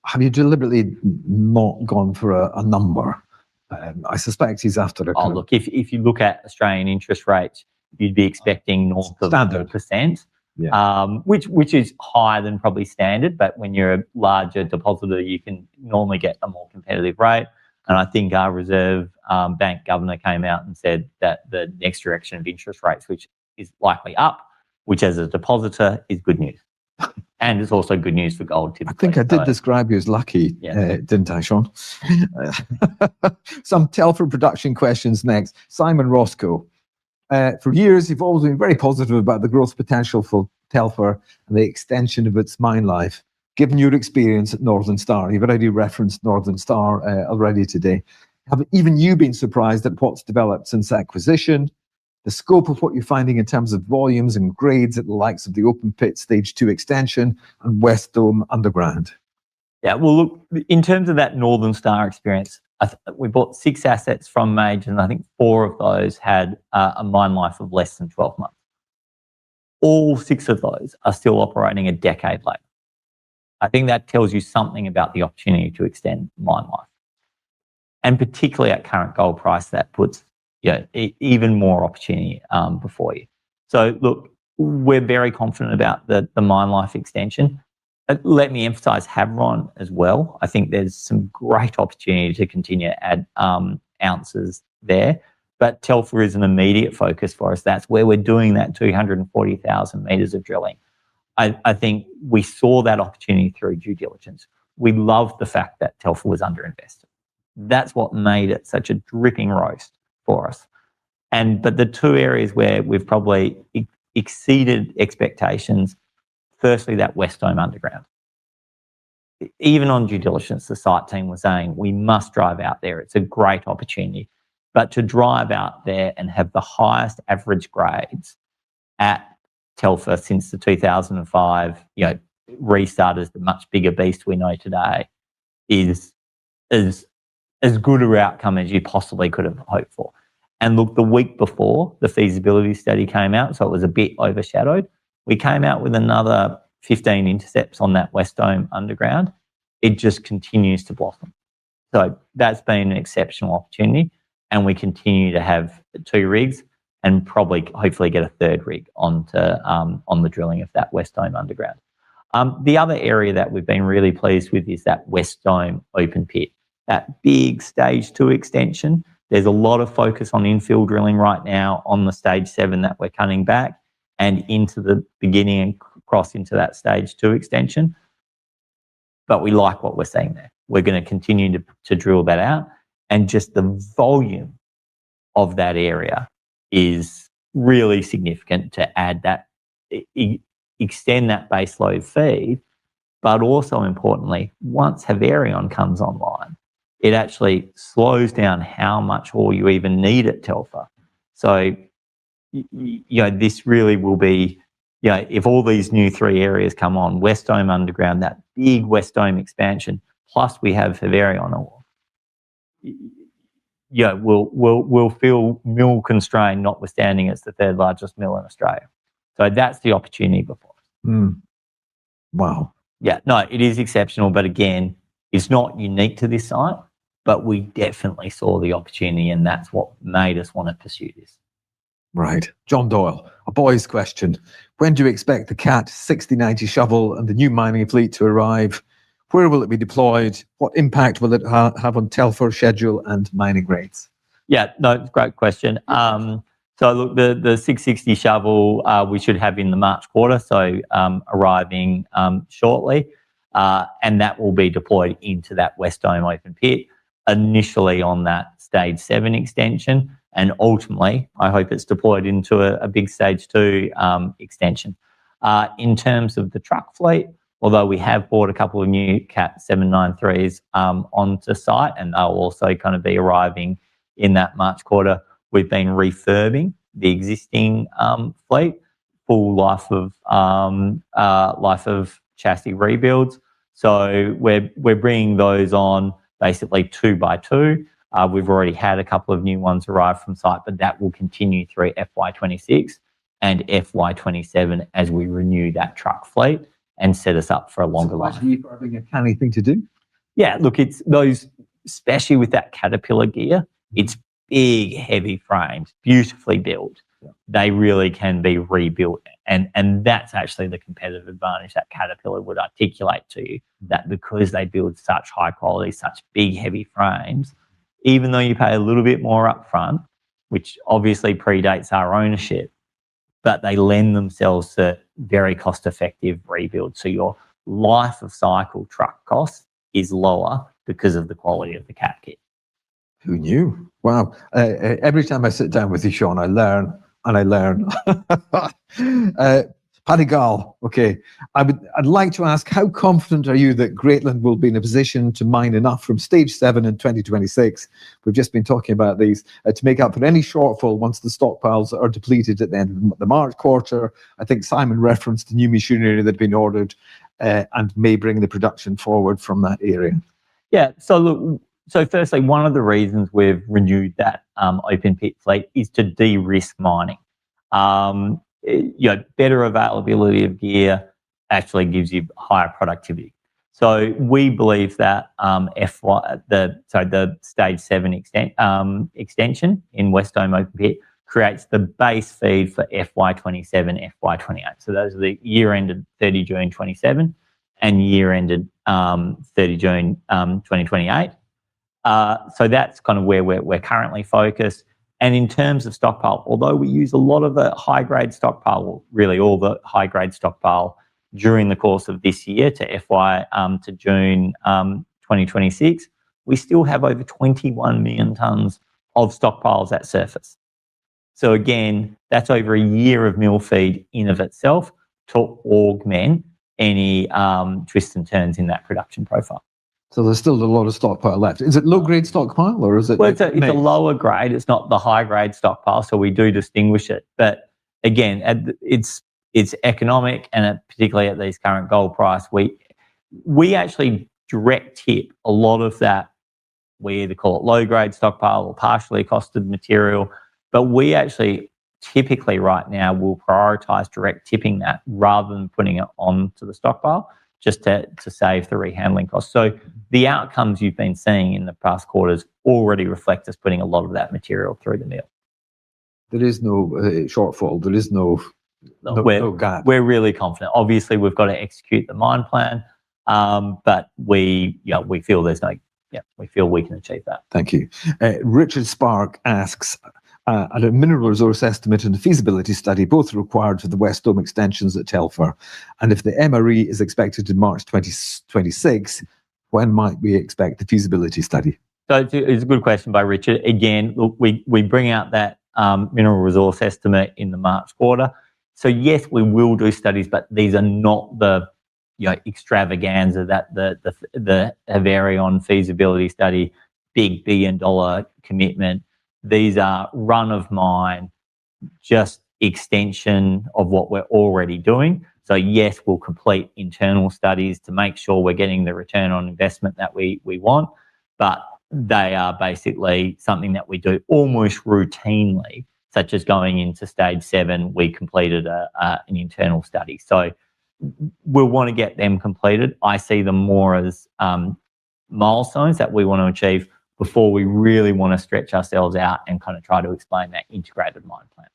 Speaker 1: Have you deliberately not gone for a number? I suspect he's after a kind of... *crosstalk*
Speaker 2: Oh, look, if you look at Australian interest rates, you'd be expecting north of... *inaudible* *crosstalk*
Speaker 1: Standard.
Speaker 2: A percent.
Speaker 1: Yeah.
Speaker 2: Which is higher than probably standard, but when you're a larger depositor, you can normally get a more competitive rate. I think our reserve bank governor came out and said that the next direction of interest rates, which is likely up, which as a depositor is good news, and is also good news for gold typically.
Speaker 1: I think I did describe you as lucky.
Speaker 2: Yeah.
Speaker 1: Didn't I, Shaun? Some Telfer production questions next. Simon Roscoe, for years you've always been very positive about the growth potential for Telfer and the extension of its mine life, given your experience at Northern Star. You've already referenced Northern Star, already today. Have even you been surprised at what's developed since acquisition, the scope of what you're finding in terms of volumes and grades at the likes of the open pit Stage 2 Extension and West Dome underground?
Speaker 2: Well, look, in terms of that Northern Star experience, we bought six assets from majors, and I think four of those had a mine life of less than 12 months. All six of those are still operating a decade later. I think that tells you something about the opportunity to extend mine life, and particularly at current gold price, that puts, you know, even more opportunity before you. Look, we're very confident about the mine life extension. Let me emphasize Havieron as well. I think there's some great opportunity to continue to add ounces there, but Telfer is an immediate focus for us. That's where we're doing that 240,000 m of drilling. I think we saw that opportunity through due diligence. We love the fact that Telfer was underinvested. That's what made it such a dripping roast for us. The two areas where we've probably exceeded expectations, firstly, that West Dome underground. Even on due diligence, the site team was saying, "We must drive out there. It's a great opportunity." To drive out there and have the highest average grades at Telfer since the 2005, you know, restart as the much bigger beast we know today is as good a outcome as you possibly could have hoped for. Look, the week before the feasibility study came out, so it was a bit overshadowed, we came out with another 15 intercepts on that West Dome underground. It just continues to blossom. That's been an exceptional opportunity, and we continue to have two rigs and probably hopefully get a third rig onto, on the drilling of that West Dome underground. The other area that we've been really pleased with is that West Dome open pit, that big Stage 2 Extension. There's a lot of focus on the infill drilling right now on the stage seven that we're cutting back and into the beginning and crossing into that Stage 2 Extension, but we like what we're seeing there. We're gonna continue to drill that out, and just the volume of that area is really significant to add that extend that base load feed. But also importantly, once Havieron comes online, it actually slows down how much ore you even need at Telfer. You know, this really will be, you know, if all these new three areas come on, West Dome underground, that big West Dome expansion, plus we have Havieron ore, you know, we'll feel mill constrained notwithstanding it's the third largest mill in Australia. That's the opportunity before us.
Speaker 1: Hmm. Wow.
Speaker 2: Yeah. No, it is exceptional, but again, it's not unique to this site, but we definitely saw the opportunity and that's what made us want to pursue this.
Speaker 1: Right. John Doyle's question. When do you expect the Cat 6090 shovel and the new mining fleet to arrive? Where will it be deployed? What impact will it have on Telfer's schedule and mining grades?
Speaker 2: Yeah. No, great question. Look, the Cat 6060 shovel we should have in the March quarter, arriving shortly. That will be deployed into that West Dome open pit, initially on that Stage 7 Extension, and ultimately, I hope it's deployed into a big Stage 2 Extension. In terms of the truck fleet, although we have bought a couple of new Cat 793s onto site, and they'll also kind of be arriving in that March quarter, we've been refurbishing the existing fleet, full life of chassis rebuilds. We're bringing those on basically two by two. We've already had a couple of new ones arrive from site, but that will continue through fiscal year 2026 and fiscal year 2027 as we renew that truck fleet and set us up for a longer life.
Speaker 1: Surprising you for having a canny thing to do.
Speaker 2: Yeah. Look, it's those, especially with that Caterpillar gear, it's big, heavy frames, beautifully built.
Speaker 1: Yeah.
Speaker 2: They really can be rebuilt and that's actually the competitive advantage that Caterpillar would articulate to you. That's because they build such high quality, such big, heavy frames, even though you pay a little bit more up front, which obviously predates our ownership, but they lend themselves to very cost-effective rebuild. Your life-cycle truck cost is lower because of the quality of the Cat gear.
Speaker 1: Who knew? Wow. Every time I sit down with you, Shaun, I learn. Paddy Gall. Okay. I'd like to ask, how confident are you that Greatland will be in a position to mine enough from stage seven in 2026, we've just been talking about these to make up for any shortfall once the stockpiles are depleted at the end of the March quarter? I think Simon referenced the new machinery that had been ordered and may bring the production forward from that area.
Speaker 2: Yeah. Look, firstly, one of the reasons we've renewed that open pit fleet is to de-risk mining. You know, better availability of gear actually gives you higher productivity. We believe that the Stage 7 Extension in West Dome open pit creates the base feed for fiscal year 2027, fiscal year 2028. Those are the year ended 30 June 2027 and year ended 30 June 2028. That's kind of where we're currently focused and in terms of stockpile, although we use a lot of the high-grade stockpile, really all the high-grade stockpile during the course of this year to fiscal year to June 2026. We still have over 21 million tonnes of stockpiles at surface. Again, that's over a year of mill feed in and of itself to augment any twists and turns in that production profile.
Speaker 1: There's still a lot of stockpile left. Is it low-grade stockpile or is it... *crosstalk*
Speaker 2: Well, it's a lower grade. It's not the high-grade stockpile, so we do distinguish it. Again, it's economic and at, particularly at this current gold price, we actually direct tip a lot of that. We either call it low-grade stockpile or partially costed material. We actually typically right now will prioritize direct tipping that rather than putting it onto the stockpile just to save the rehandling cost. The outcomes you've been seeing in the past quarters already reflect us putting a lot of that material through the mill.
Speaker 1: There is no shortfall... *crosstalk*
Speaker 2: We're... *crosstalk*
Speaker 1: No gap.
Speaker 2: Really confident. Obviously, we've got to execute the mine plan, but we feel we can achieve that.
Speaker 1: Thank you. Richard Spark asks, are the mineral resource estimate and the feasibility study both required for the West Dome extensions at Telfer? If the MRE is expected in March 2026, when might we expect the feasibility study?
Speaker 2: It's a good question by Richard. We bring out that mineral resource estimate in the March quarter. Yes, we will do studies, but these are not the extravaganza that the Havieron feasibility study, big billion-dollar commitment. These are run of mine, just extension of what we're already doing. Yes, we'll complete internal studies to make sure we're getting the return on investment that we want. But they are basically something that we do almost routinely, such as going into stage seven, we completed an internal study. We'll want to get them completed. I see them more as milestones that we want to achieve before we really want to stretch ourselves out and kind of try to explain that integrated mine plan.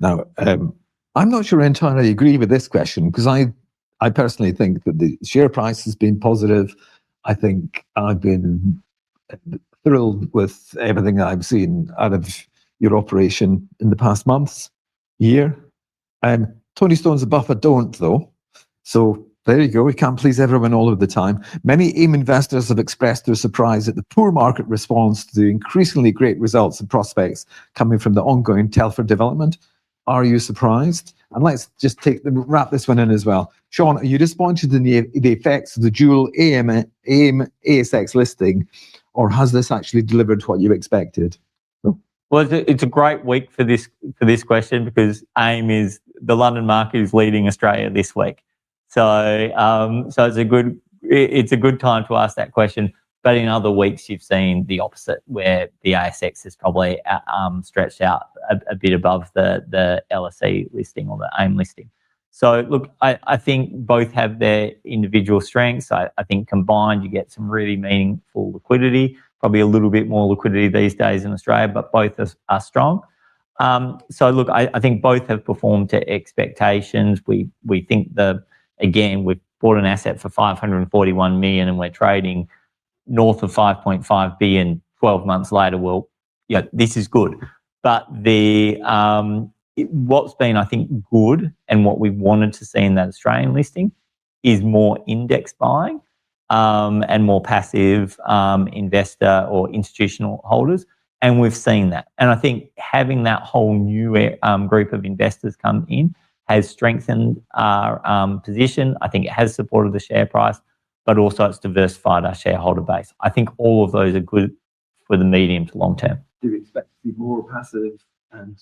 Speaker 1: Now, I'm not sure I entirely agree with this question cause I personally think that the share price has been positive. I think I've been thrilled with everything I've seen out of your operation in the past months, year. Tony Sherston of Buffer don't though. There you go. We can't please everyone all of the time. Many AIM investors have expressed their surprise at the poor market response to the increasingly great results and prospects coming from the ongoing Telfer development. Are you surprised? Let's just wrap this one in as well. Shaun, are you disappointed in the effects of the dual AIM, ASX listing or has this actually delivered what you expected? Oh.
Speaker 2: Well, it's a great week for this question because AIM, the London market, is leading Australia this week. It's a good time to ask that question. In other weeks, you've seen the opposite, where the ASX has probably stretched out a bit above the LSE listing or the AIM listing. Look, I think both have their individual strengths. I think combined you get some really meaningful liquidity. Probably a little bit more liquidity these days in Australia, but both are strong. Look, I think both have performed to expectations. We think. Again, we've bought an asset for 541 million and we're trading north of 5.5 billion twelve months later. Well, you know, this is good. What's been, I think, good and what we've wanted to see in that Australian listing is more index buying, and more passive, investor or institutional holders, and we've seen that. I think having that whole new group of investors come in has strengthened our position. I think it has supported the share price, but also it's diversified our shareholder base. I think all of those are good for the medium to long-term.
Speaker 1: Do you expect to be more passive and,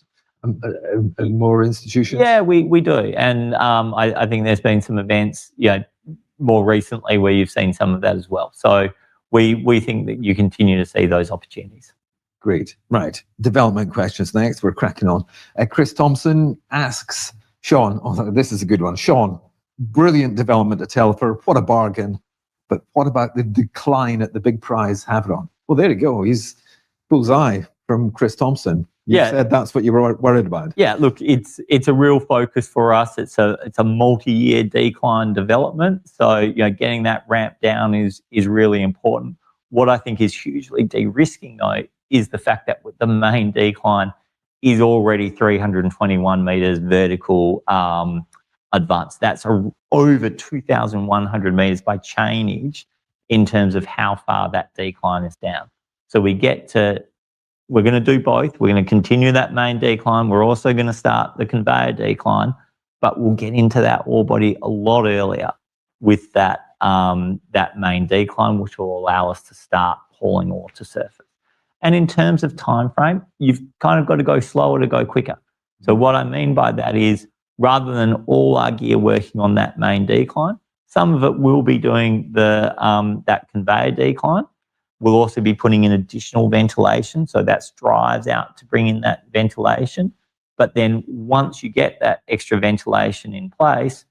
Speaker 1: more institutional?
Speaker 2: Yeah, we do. I think there's been some events, you know, more recently where you've seen some of that as well. We think that you continue to see those opportunities.
Speaker 1: Great. Right. Development questions next. We're cracking on. Chris Thompson asks, Shaun. Oh, this is a good one. Shaun, brilliant development at Telfer. What a bargain. What about the decline at the big prize Havieron? Well, there you go. He's bull's-eye from Chris Thompson.
Speaker 2: Yeah.
Speaker 1: You said that's what you were worried about.
Speaker 2: Yeah. Look, it's a real focus for us. It's a multi-year decline development. You know, getting that ramp down is really important. What I think is hugely de-risking, though, is the fact that the main decline is already 321 m vertical advance. That's over 2,100 m by change in terms of how far that decline is down. We're gonna do both. We're gonna continue that main decline. We're also gonna start the conveyor decline, but we'll get into that ore body a lot earlier with that main decline, which will allow us to start hauling ore to surface. In terms of timeframe, you've kind of got to go slower to go quicker. What I mean by that is, rather than all our gear working on that main decline, some of it will be doing the that conveyor decline. We'll also be putting in additional ventilation, so that's drives out to bring in that ventilation. Then once you get that extra ventilation in place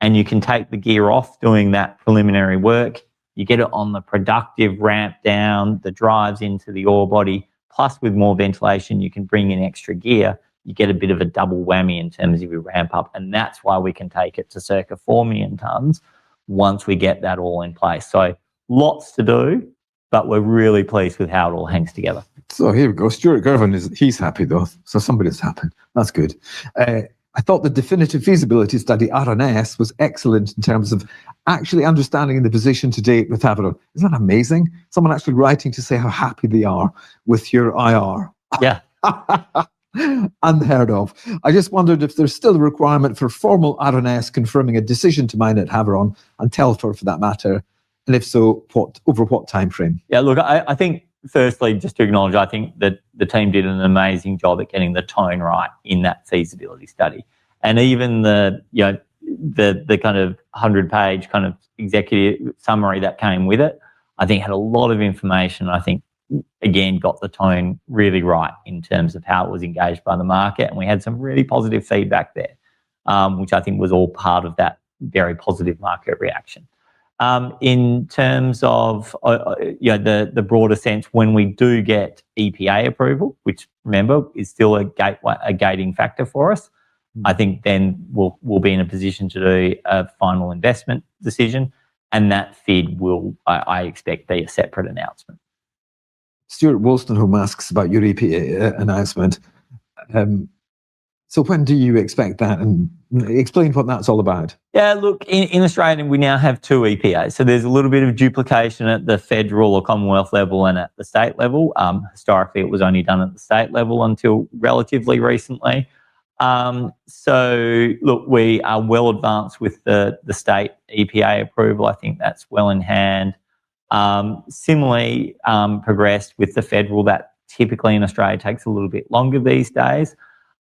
Speaker 2: and you can take the gear off doing that preliminary work, you get it on the productive ramp down that drives into the ore body, plus with more ventilation you can bring in extra gear, you get a bit of a double whammy in terms of your ramp up. That's why we can take it to circa 4 million tonnes once we get that all in place. Lots to do. We're really pleased with how it all hangs together.
Speaker 1: Here we go. Stuart Girvan is happy, though, so somebody's happy. That's good. "I thought the definitive feasibility study, RNS, was excellent in terms of actually understanding the position to date with Havieron." Isn't that amazing? Someone actually writing to say how happy they are with your IR.
Speaker 2: Yeah.
Speaker 1: I just wondered if there's still a requirement for formal RNS confirming a decision to mine at Havieron and Telfer, for that matter, and if so, over what timeframe?
Speaker 2: Yeah, look, I think firstly, just to acknowledge, I think that the team did an amazing job at getting the tone right in that feasibility study. Even the, you know, the kind of 100-page kind of executive summary that came with it, I think had a lot of information, and I think again got the tone really right in terms of how it was engaged by the market, and we had some really positive feedback there, which I think was all part of that very positive market reaction. In terms of, you know, the broader sense when we do get EPA approval, which remember, is still a gating factor for us, I think then we'll be in a position to do a final investment decision and that FID will, I expect, be a separate announcement.
Speaker 1: Stuart Woolston, who asks about your EPA announcement. When do you expect that, and explain what that's all about.
Speaker 2: Yeah, look, in Australia, we now have two EPAs, so there's a little bit of duplication at the federal or commonwealth level and at the state level. Historically, it was only done at the state level until relatively recently. Look, we are well advanced with the state EPA approval. I think that's well in hand. Similarly, progressed with the federal that typically in Australia takes a little bit longer these days.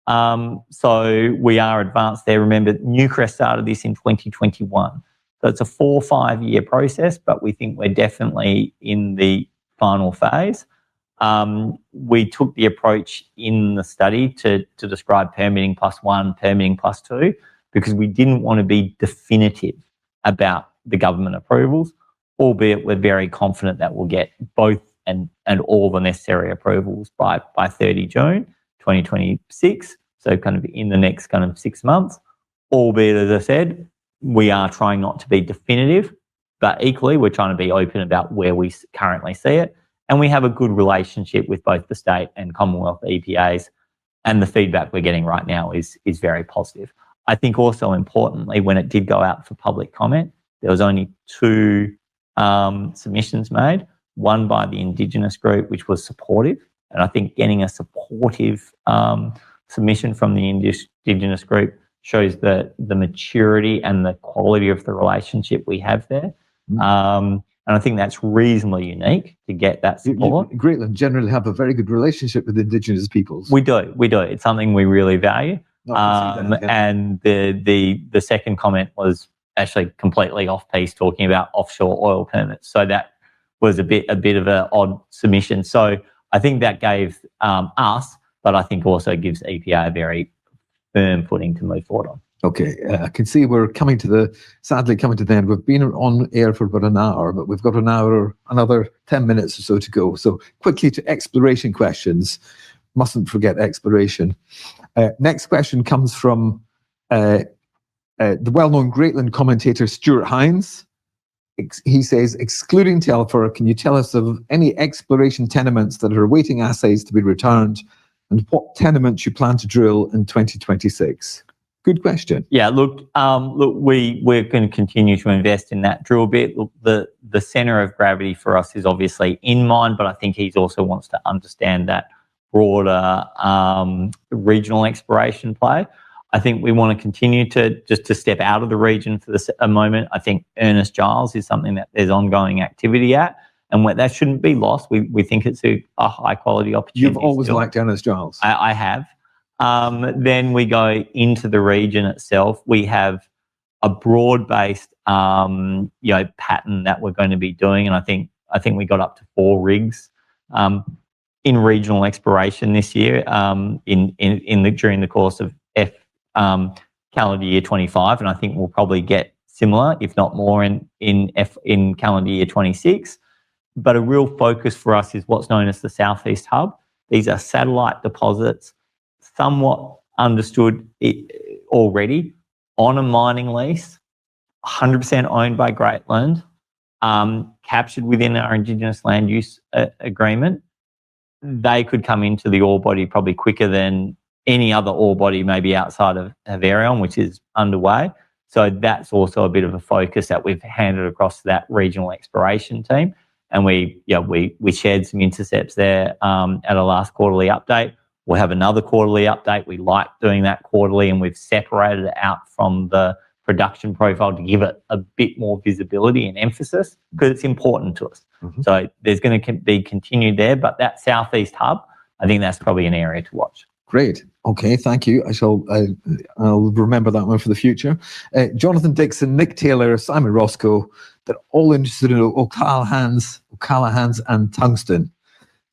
Speaker 2: We are advanced there. Remember, Newcrest started this in 2021. It's a four-to-five-year process, but we think we're definitely in the final phase. We took the approach in the study to describe permitting plus one, permitting plus two, because we didn't want to be definitive about the government approvals, albeit we're very confident that we'll get both and all the necessary approvals by 30 June 2026, so kind of in the next kind of six months. Albeit, as I said, we are trying not to be definitive, but equally, we're trying to be open about where we currently see it, and we have a good relationship with both the state and commonwealth EPAs, and the feedback we're getting right now is very positive. I think also importantly, when it did go out for public comment, there was only two submissions made, one by the Indigenous group, which was supportive, and I think getting a supportive submission from the Indigenous group shows the maturity and the quality of the relationship we have there. I think that's reasonably unique to get that support.
Speaker 1: Greatland generally have a very good relationship with Indigenous peoples.
Speaker 2: We do. It's something we really value.
Speaker 1: Oh, I can see that.
Speaker 2: The second comment was actually completely off base talking about offshore oil permits. That was a bit of an odd submission. I think that gave us, but I think also gives EPA a very firm footing to move forward on.
Speaker 1: Okay. I can see we're sadly coming to the end. We've been on air for about an hour, but we've got another 10 minutes or so to go. Quickly to exploration questions. Mustn't forget exploration. Next question comes from the well-known Greatland commentator, Stuart Hinds. He says, "Excluding Telfer, can you tell us of any exploration tenements that are awaiting assays to be returned, and what tenements you plan to drill in 2026?" Good question.
Speaker 2: Yeah, look, we’re gonna continue to invest in that drill bit. Look, the center of gravity for us is obviously in mine, but I think he’s also wants to understand that broader regional exploration play. I think we want to continue to step out of the region for the moment. I think Ernest Giles is something that there’s ongoing activity at, and that shouldn’t be lost. We think it’s a high-quality opportunity.
Speaker 1: You've always liked Ernest Giles.
Speaker 2: I have. We go into the region itself. We have a broad-based, you know, pattern that we're gonna be doing, and I think we got up to four rigs in regional exploration this year, during the course of fiscal year 2025, and I think we'll probably get similar, if not more in fiscal year 2026. A real focus for us is what's known as the southeast hub. These are satellite deposits, somewhat understood already on a mining lease, 100% owned by Greatland, captured within our Indigenous Land Use Agreement. They could come into the ore body probably quicker than any other ore body maybe outside of Havieron, which is underway. That's also a bit of a focus that we've handed across to that regional exploration team, and we shared some intercepts there at our last quarterly update. We'll have another quarterly update. We like doing that quarterly, and we've separated it out from the production profile to give it a bit more visibility and emphasis because it's important to us.
Speaker 1: Mm-hmm.
Speaker 2: There's gonna be continued there, but that southeast hub, I think that's probably an area to watch.
Speaker 1: Great. Okay, thank you. I'll remember that one for the future. Jonathan Dixon, Nick Taylor, Simon Roscoe, they're all interested in O'Callaghans and tungsten.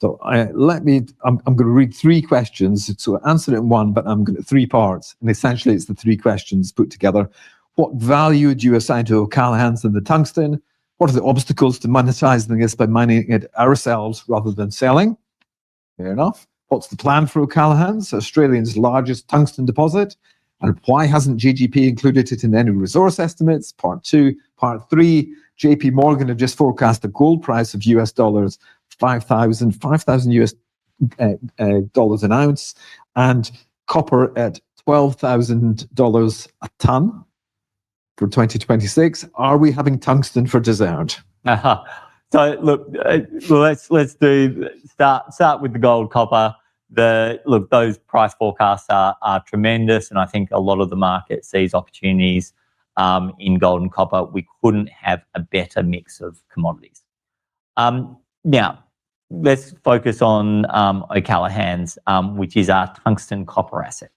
Speaker 1: Let me read three questions. Answer it in one, but I'm gonna read three parts, and essentially, it's the three questions put together. What value do you assign to O'Callaghans and the tungsten? What are the obstacles to monetizing this by mining it ourselves rather than selling? Fair enough. What's the plan for O'Callaghans, Australia's largest tungsten deposit, and why hasn't GGP included it in any resource estimates? Part two. Part three, JPMorgan have just forecast a gold price of $5,000 an ounce and copper at 12,000 dollars a tonne for 2026. Are we having tungsten for dessert?
Speaker 2: Look, let's start with the gold copper. Those price forecasts are tremendous, and I think a lot of the market sees opportunities in gold and copper. We couldn't have a better mix of commodities. Now let's focus on O'Callaghans, which is our tungsten-copper asset.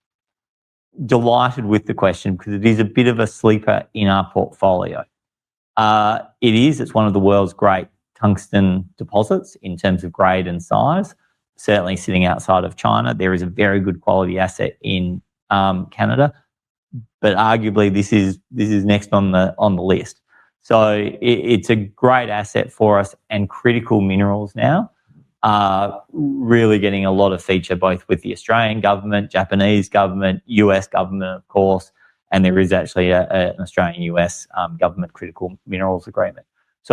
Speaker 2: Delighted with the question cause it is a bit of a sleeper in our portfolio. It is. It's one of the world's great tungsten deposits in terms of grade and size. Certainly, sitting outside of China. There is a very good quality asset in Canada, but arguably this is next on the list. It's a great asset for us and critical minerals now are really getting a lot of attention both with the Australian government, Japanese government, US government of course, and there is actually an Australian-US government critical minerals agreement.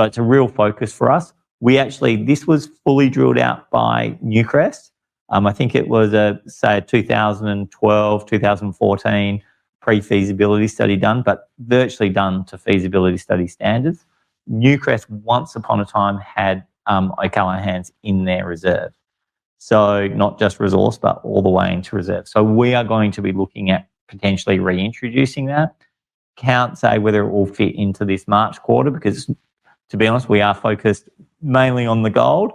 Speaker 2: It's a real focus for us. This was fully drilled out by Newcrest. I think it was, say, 2012 to 2014 pre-feasibility study done, but virtually done to feasibility study standards. Newcrest once upon a time had O'Callaghans in their reserve, so not just resource but all the way into reserve. We are going to be looking at potentially reintroducing that. Can't say whether it will fit into this March quarter because to be honest, we are focused mainly on the gold.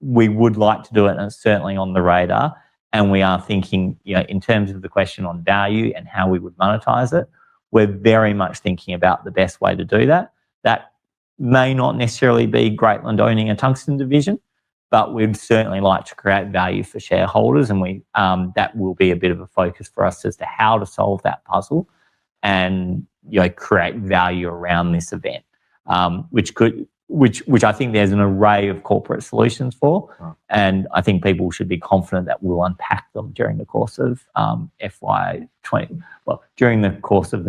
Speaker 2: We would like to do it and it's certainly on the radar, and we are thinking, you know, in terms of the question on value and how we would monetize it. We're very much thinking about the best way to do that. That may not necessarily be Greatland owning a tungsten division, but we'd certainly like to create value for shareholders and we, that will be a bit of a focus for us as to how to solve that puzzle and, you know, create value around this event, which I think there's an array of corporate solutions for.
Speaker 1: Oh.
Speaker 2: I think people should be confident that we'll unpack them during the course of the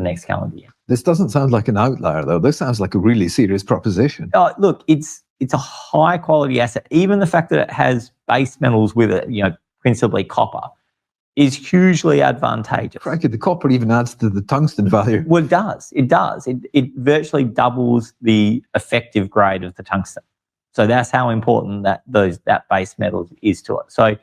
Speaker 2: next calendar year.
Speaker 1: This doesn't sound like an outlier though. This sounds like a really serious proposition.
Speaker 2: Oh, look, it's a high-quality asset. Even the fact that it has base metals with it, you know, principally copper, is hugely advantageous.
Speaker 1: Crikey. The copper even adds to the tungsten value.
Speaker 2: Well, it does. It virtually doubles the effective grade of the tungsten. That's how important that base metal is to it.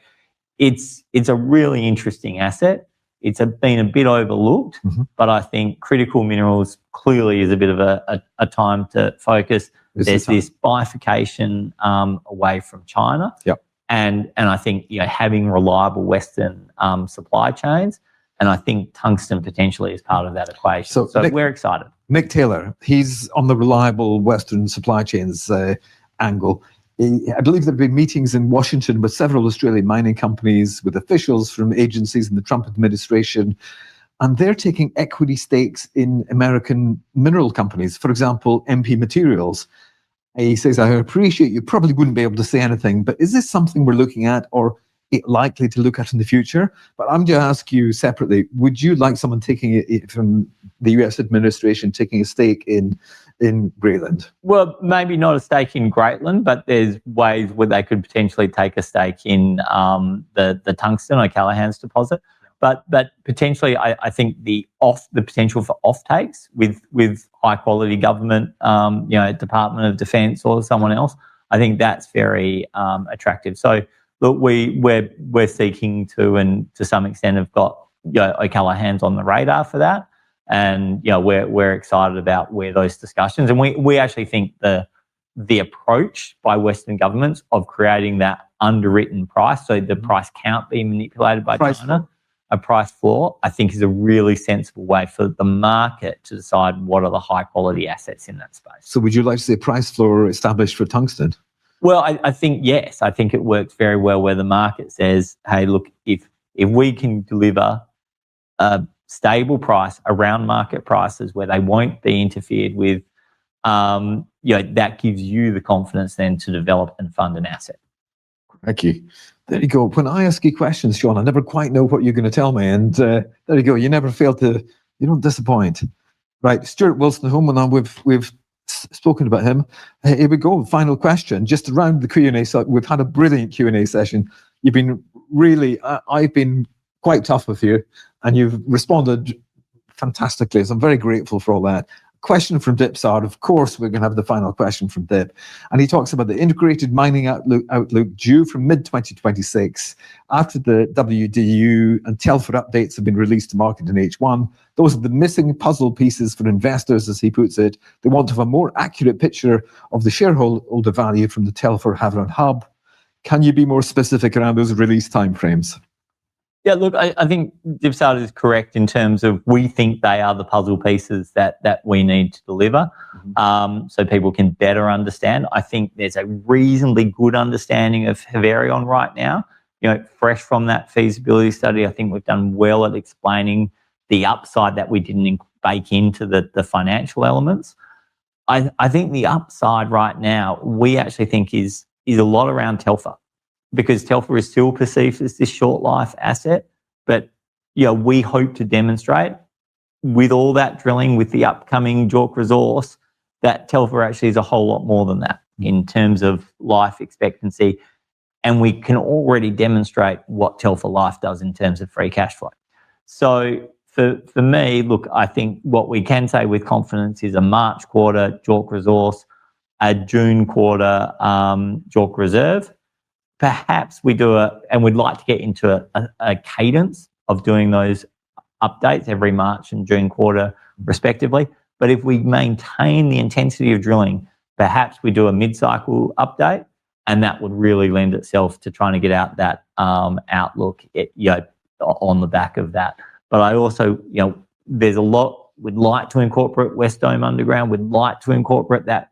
Speaker 2: It's a really interesting asset. It's been a bit overlooked.
Speaker 1: Mm-hmm.
Speaker 2: I think critical minerals clearly is a bit of a time to focus.
Speaker 1: This is... *crosstalk*
Speaker 2: There's this bifurcation away from China.
Speaker 1: Yep.
Speaker 2: I think, you know, having reliable Western supply chains, and I think tungsten potentially is part of that equation. We're excited.
Speaker 1: Mick Taylor, he's on the reliable Western supply chains angle. I believe there's been meetings in Washington with several Australian mining companies, with officials from agencies in the Trump administration, and they're taking equity stakes in American mineral companies, for example, MP Materials. He says, "I appreciate you probably wouldn't be able to say anything, but is this something we're looking at or likely to look at in the future?" I'm gonna ask you separately, would you like someone taking it from the US administration taking a stake in Greatland?
Speaker 2: Well, maybe not a stake in Greatland, but there's ways where they could potentially take a stake in the tungsten O'Callaghans deposit. Potentially I think the potential for off-takes with high quality government you know Department of Defense or someone else I think that's very attractive. Look, we're seeking to and to some extent have got you know O'Callaghans on the radar for that and you know we're excited about where those discussions. We actually think the approach by Western governments of creating that underwritten price so the price can't be manipulated by China.
Speaker 1: Price floor.
Speaker 2: A price floor, I think is a really sensible way for the market to decide what are the high quality assets in that space.
Speaker 1: Would you like to see a price floor established for tungsten?
Speaker 2: Well, I think yes. I think it works very well where the market says, "Hey, look, if we can deliver a stable price around market prices where they won't be interfered with, you know, that gives you the confidence then to develop and fund an asset."
Speaker 1: Crikey. There you go. When I ask you questions, Shaun, I never quite know what you're gonna tell me and there you go. You never fail to. You don't disappoint. Right. Stuart Woolston, Holman, we've spoken about him. Here we go. Final question just around the Q&A. We've had a brilliant Q&A session. You've been really. I've been quite tough with you and you've responded fantastically. I'm very grateful for all that. Question from Dipsad. Of course, we're gonna have the final question from Dip, and he talks about the integrated mining outlook due from mid-2026 after the WDU and Telfer updates have been released to market in first half. Those are the missing puzzle pieces for investors, as he puts it. They want to have a more accurate picture of the shareholder value from the Telfer-Havieron hub. Can you be more specific around those release timeframes?
Speaker 2: Yeah, look, I think Dipsad is correct in terms of we think they are the puzzle pieces that we need to deliver.
Speaker 1: Mm-hmm.
Speaker 2: People can better understand. I think there's a reasonably good understanding of Havieron right now. You know, fresh from that feasibility study, I think we've done well at explaining the upside that we didn't bake into the financial elements. I think the upside right now, we actually think is a lot around Telfer because Telfer is still perceived as this short life asset. You know, we hope to demonstrate with all that drilling, with the upcoming JORC resource, that Telfer actually is a whole lot more than that in terms of life expectancy, and we can already demonstrate what Telfer Life does in terms of free cash flow. For me, look, I think what we can say with confidence is a March quarter JORC resource, a June quarter JORC reserve. Perhaps we'd like to get into a cadence of doing those updates every March and June quarter respectively. If we maintain the intensity of drilling, perhaps we do a mid-cycle update, and that would really lend itself to trying to get out that outlook at, you know, on the back of that. I also, you know, there's a lot we'd like to incorporate West Dome Underground. We'd like to incorporate that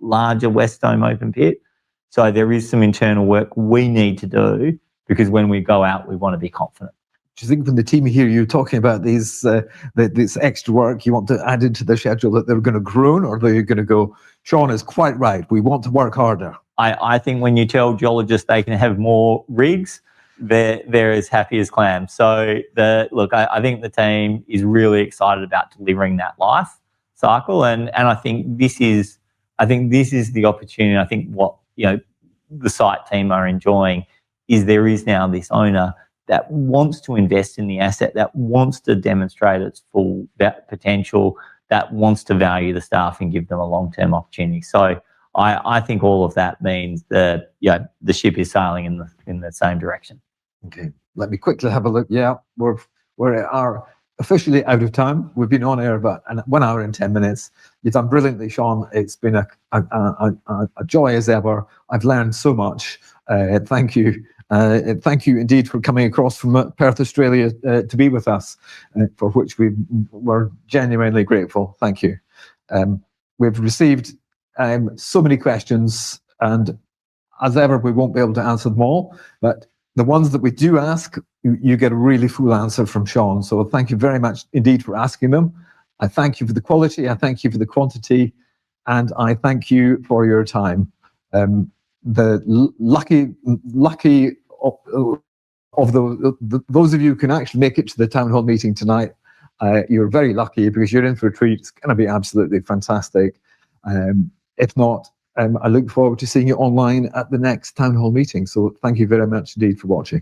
Speaker 2: larger West Dome open pit. There is some internal work we need to do because when we go out, we want to be confident.
Speaker 1: Do you think the team to hear you talking about these, this extra work you want to add into the schedule that they're gonna groan, or are they gonna go, "Shaun is quite right. We want to work harder"?
Speaker 2: I think when you tell geologists they can have more rigs, they're as happy as clams. Look, I think the team is really excited about delivering that life cycle and I think this is the opportunity and I think what, you know, the site team are enjoying is there is now this owner that wants to invest in the asset, that wants to demonstrate its full potential, that wants to value the staff and give them a long-term opportunity. I think all of that means that, you know, the ship is sailing in the same direction.
Speaker 1: Okay. Let me quickly have a look. Yeah. We're officially out of time. We've been on air about one hour and 10 minutes. You've done brilliantly, Shaun. It's been a joy as ever. I've learned so much, and thank you, and thank you indeed for coming across from Perth, Australia, to be with us, for which we're genuinely grateful. Thank you. We've received so many questions, and as ever, we won't be able to answer them all. The ones that we do ask, you get a really full answer from Shaun. Thank you very much indeed for asking them. I thank you for the quality, I thank you for the quantity, and I thank you for your time. The lucky of those of you who can actually make it to the town hall meeting tonight, you're very lucky because you're in for a treat. It's gonna be absolutely fantastic. If not, I look forward to seeing you online at the next town hall meeting. Thank you very much indeed for watching.